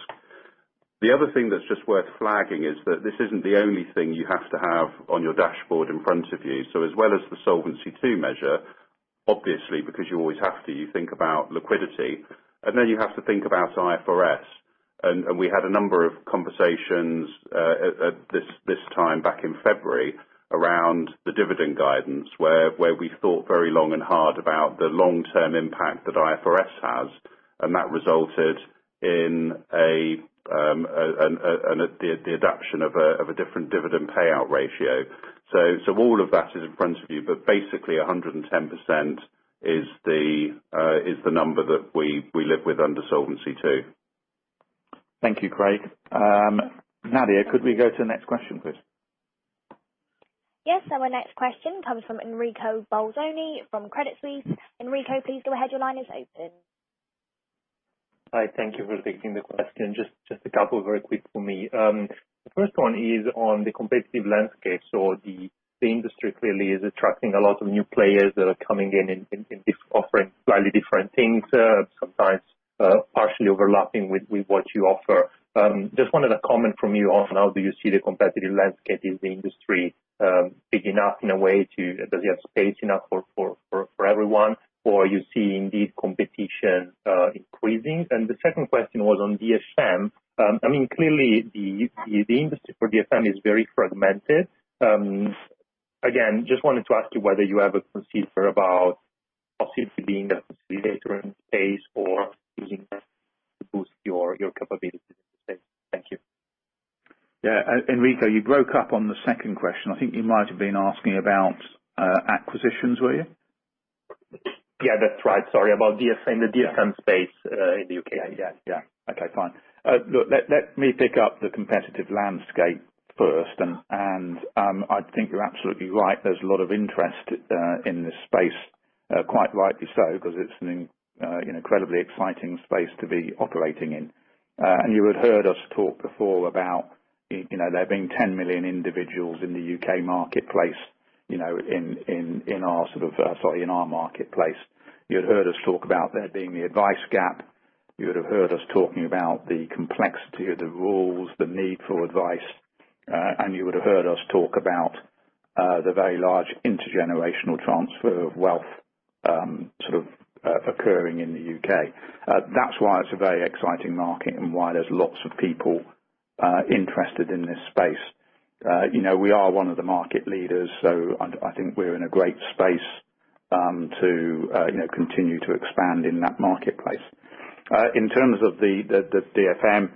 The other thing that's just worth flagging is that this isn't the only thing you have to have on your dashboard in front of you. As well as the Solvency II measure, obviously, because you always have to, you think about liquidity, then you have to think about IFRS. We had a number of conversations, this time back in February, around the dividend guidance, where we thought very long and hard about the long-term impact that IFRS has, and that resulted in the adoption of a different dividend payout ratio. All of that is in front of you. Basically, 110% is the number that we live with under Solvency II. Thank you, Craig. Nadia, could we go to the next question, please? Yes. Our next question comes from Enrico Bolzoni from Credit Suisse. Enrico, please go ahead. Your line is open. Hi. Thank you for taking the question. Just a couple very quick for me. The first one is on the competitive landscape. The industry clearly is attracting a lot of new players that are coming in and offering slightly different things, sometimes partially overlapping with what you offer. Just wanted a comment from you on how do you see the competitive landscape? Is the industry big enough? Does it have space enough for everyone or you see indeed competition increasing? The second question was on DFM. Clearly, the industry for DFM is very fragmented. Again, just wanted to ask you whether you ever consider about possibly being a facilitator in space or using that to boost your capabilities in the space. Thank you. Yeah. Enrico, you broke up on the second question. I think you might have been asking about acquisitions, were you? Yeah, that's right. Sorry. About DFM, the DFM space in the U.K. Yeah. Okay, fine. Look, let me pick up the competitive landscape first. I think you're absolutely right. There's a lot of interest in this space, quite rightly so, because it's an incredibly exciting space to be operating in. You would have heard us talk before about there being 10 million individuals in the U.K. marketplace, in our sort of, sorry, in our marketplace. You'd heard us talk about there being the advice gap. You would have heard us talking about the complexity of the rules, the need for advice, and you would have heard us talk about the very large intergenerational transfer of wealth sort of occurring in the U.K. That's why it's a very exciting market and why there's lots of people interested in this space. We are one of the market leaders, so I think we're in a great space to continue to expand in that marketplace. In terms of the DFM,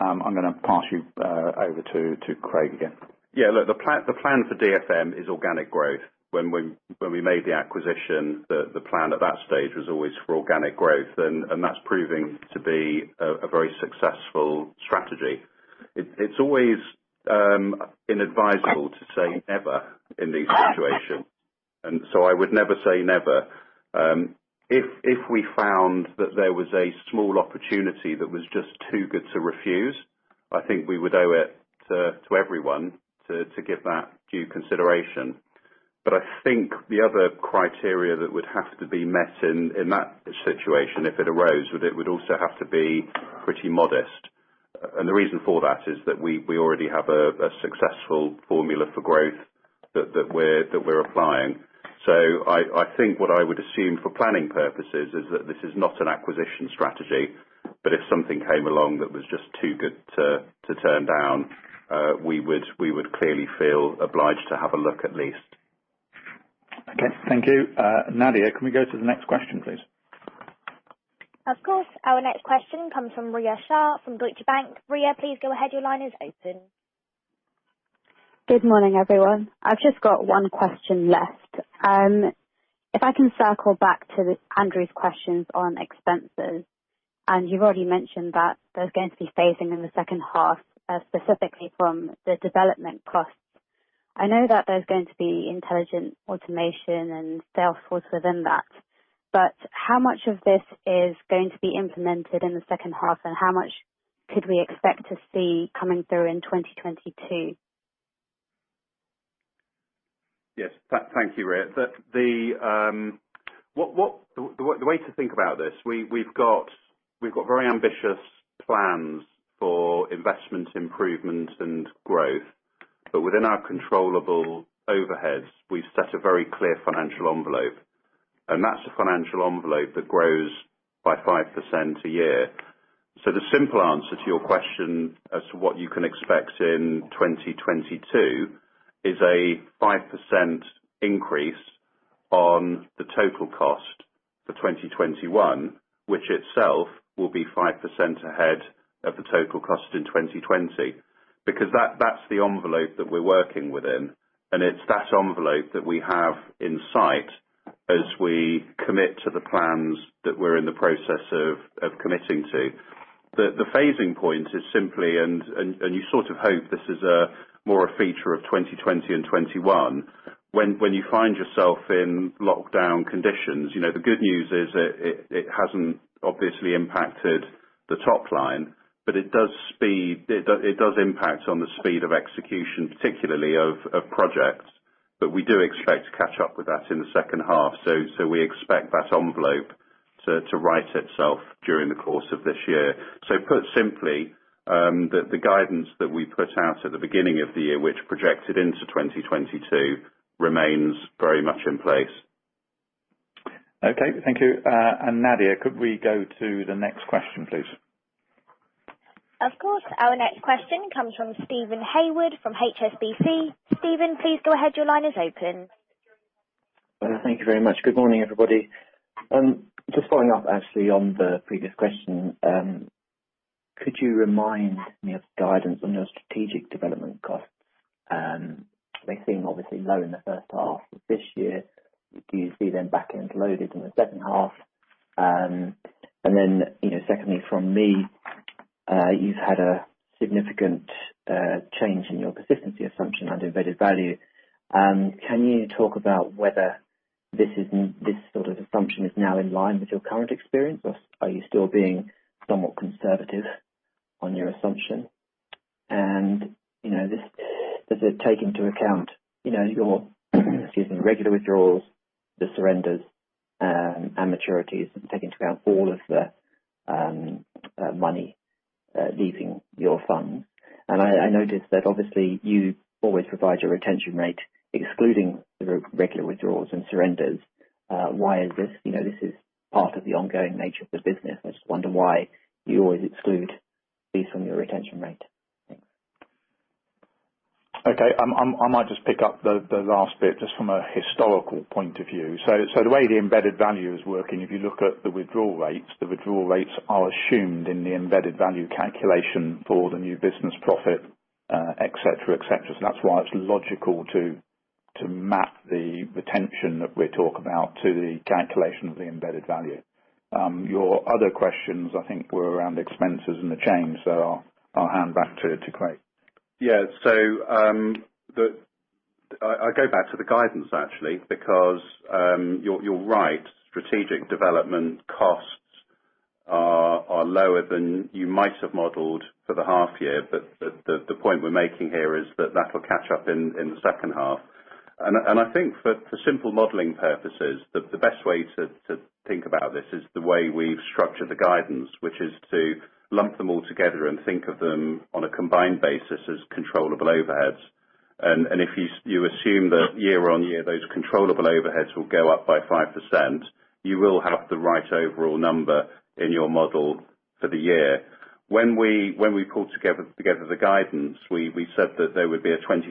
I'm going to pass you over to Craig again. Yeah, look, the plan for DFM is organic growth. When we made the acquisition, the plan at that stage was always for organic growth, and that's proving to be a very successful strategy. It's always inadvisable to say never in these situations, and so I would never say never. If we found that there was a small opportunity that was just too good to refuse, I think we would owe it to everyone to give that due consideration. I think the other criteria that would have to be met in that situation, if it arose, it would also have to be pretty modest. The reason for that is that we already have a successful formula for growth that we're applying. I think what I would assume for planning purposes is that this is not an acquisition strategy, but if something came along that was just too good to turn down, we would clearly feel obliged to have a look at least. Okay. Thank you. Nadia, can we go to the next question, please? Of course. Our next question comes from Rhea Shah from Deutsche Bank. Rhea, please go ahead. Your line is open. Good morning, everyone. I've just got one question left. If I can circle back to Andrew's questions on expenses, you've already mentioned that there's going to be phasing in the second half, specifically from the development costs. I know that there's going to be intelligent automation and Salesforce within that, how much of this is going to be implemented in the second half, and how much could we expect to see coming through in 2022? Yes. Thank you, Rhea. The way to think about this, we've got very ambitious plans for investment improvement and growth. Within our controllable overheads, we've set a very clear financial envelope. That's a financial envelope that grows by 5% a year. The simple answer to your question as to what you can expect in 2022 is a 5% increase on the total cost for 2021, which itself will be 5% ahead of the total cost in 2020. That's the envelope that we're working within, and it's that envelope that we have in sight as we commit to the plans that we're in the process of committing to. The phasing point is simply. You sort of hope this is more a feature of 2020 and 2021. When you find yourself in lockdown conditions, the good news is it hasn't obviously impacted the top line, but it does impact on the speed of execution, particularly of projects. We do expect to catch up with that in the second half. We expect that envelope to right itself during the course of this year. Put simply, the guidance that we put out at the beginning of the year, which projected into 2022, remains very much in place. Okay. Thank you. Nadia, could we go to the next question, please? Of course. Our next question comes from Steven Haywood from HSBC. Steven, please go ahead. Your line is open. Thank you very much. Good morning, everybody. Just following up, actually, on the previous question. Could you remind me of the guidance on your strategic development costs? They seem obviously low in the first half of this year. Do you see them back-end loaded in the second half? Secondly, from me, you've had a significant change in your persistency assumption and embedded value. Can you talk about whether this sort of assumption is now in line with your current experience, or are you still being somewhat conservative on your assumption? Does it take into account your excuse me, regular withdrawals, the surrenders, and maturities, and take into account all of the money leaving your fund? I noticed that obviously you always provide your retention rate excluding the regular withdrawals and surrenders. Why is this? This is part of the ongoing nature of the business. I just wonder why you always exclude these from your retention rate? Thanks. Okay. I might just pick up the last bit, just from a historical point of view. The way the embedded value is working, if you look at the withdrawal rates, the withdrawal rates are assumed in the embedded value calculation for the new business profit, et cetera. That's why it's logical to map the retention that we're talking about to the calculation of the embedded value. Your other questions, I think, were around expenses and the change. I'll hand back to Craig. Yeah. I go back to the guidance, actually, because you're right, strategic development costs are lower than you might have modeled for the half year. The point we're making here is that that'll catch up in the second half. I think for simple modeling purposes, the best way to think about this is the way we've structured the guidance, which is to lump them all together and think of them on a combined basis as controllable overheads. If you assume that year-on-year, those controllable overheads will go up by 5%, you will have the right overall number in your model for the year. When we pulled together the guidance, we said that there would be a 25%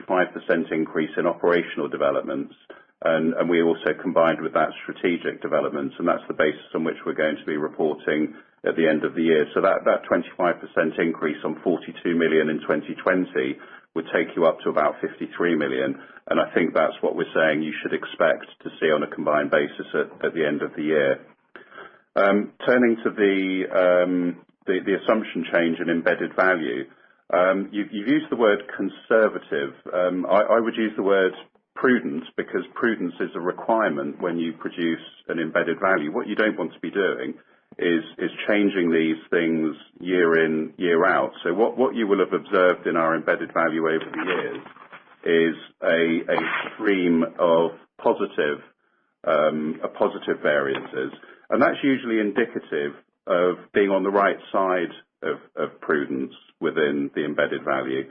increase in operational developments, and we also combined with that strategic developments, and that's the basis on which we're going to be reporting at the end of the year. That 25% increase on 42 million in 2020 would take you up to about 53 million. I think that's what we're saying you should expect to see on a combined basis at the end of the year. Turning to the assumption change in embedded value. You've used the word conservative. I would use the word prudent because prudence is a requirement when you produce an embedded value. What you don't want to be doing is changing these things year in, year out. What you will have observed in our embedded value over the years is a stream of positive variances. That's usually indicative of being on the right side of prudence within the embedded value.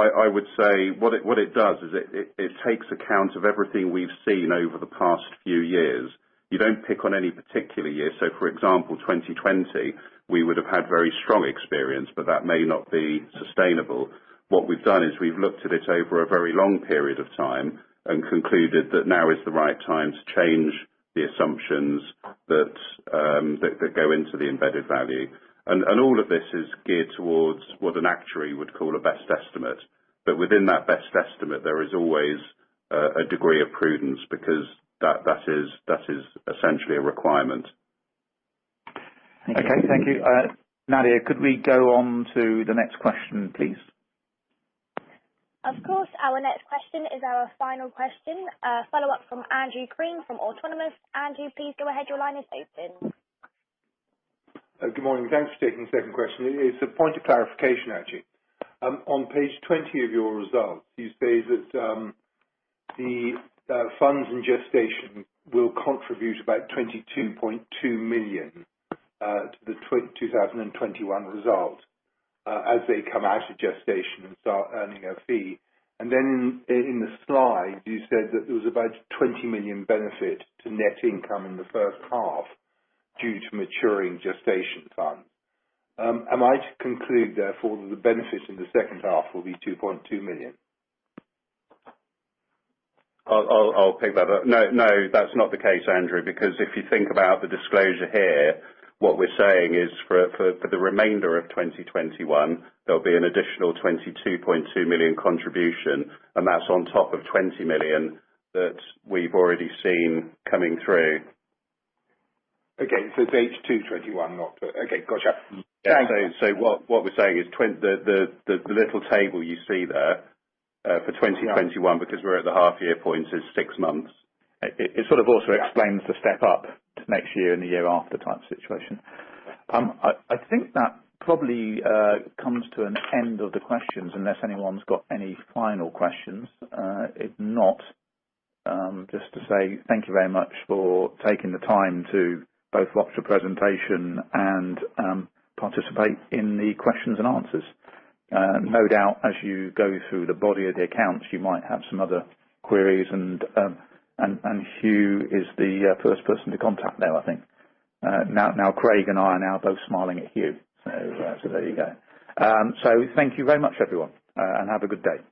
I would say what it does is it takes account of everything we've seen over the past few years. You don't pick on any particular year. For example, 2020, we would have had very strong experience, but that may not be sustainable. What we've done is we've looked at it over a very long period of time and concluded that now is the right time to change the assumptions that go into the embedded value. All of this is geared towards what an actuary would call a best estimate. Within that best estimate, there is always a degree of prudence because that is essentially a requirement. Okay. Thank you. Nadia, could we go on to the next question, please? Of course. Our next question is our final question. A follow-up from Andrew Crean from Autonomous. Andrew, please go ahead. Your line is open. Good morning. Thanks for taking the second question. It's a point of clarification, actually. On page 20 of your results, you say that the funds in gestation will contribute about 22.2 million to the 2021 result as they come out of gestation and start earning a fee. Then in the slide, you said that there was about 20 million benefit to net income in the first half due to maturing gestation funds. Am I to conclude, therefore, that the benefit in the second half will be 2.2 million? I'll pick that up. No, that's not the case, Andrew, because if you think about the disclosure here, what we're saying is for the remainder of 2021, there'll be an additional 22.2 million contribution, and that's on top of 20 million that we've already seen coming through. Okay. It's H2 2021, not Okay, gotcha. What we're saying is the little table you see there for 2021, because we're at the half year point, is six months. It sort of also explains the step up to next year and the year after type situation. I think that probably comes to an end of the questions unless anyone's got any final questions. If not, just to say thank you very much for taking the time to both watch the presentation and participate in the questions and answers. No doubt, as you go through the body of the accounts, you might have some other queries, and Hugh is the first person to contact now, I think. Now Craig and I are now both smiling at Hugh. There you go. Thank you very much, everyone, and have a good day.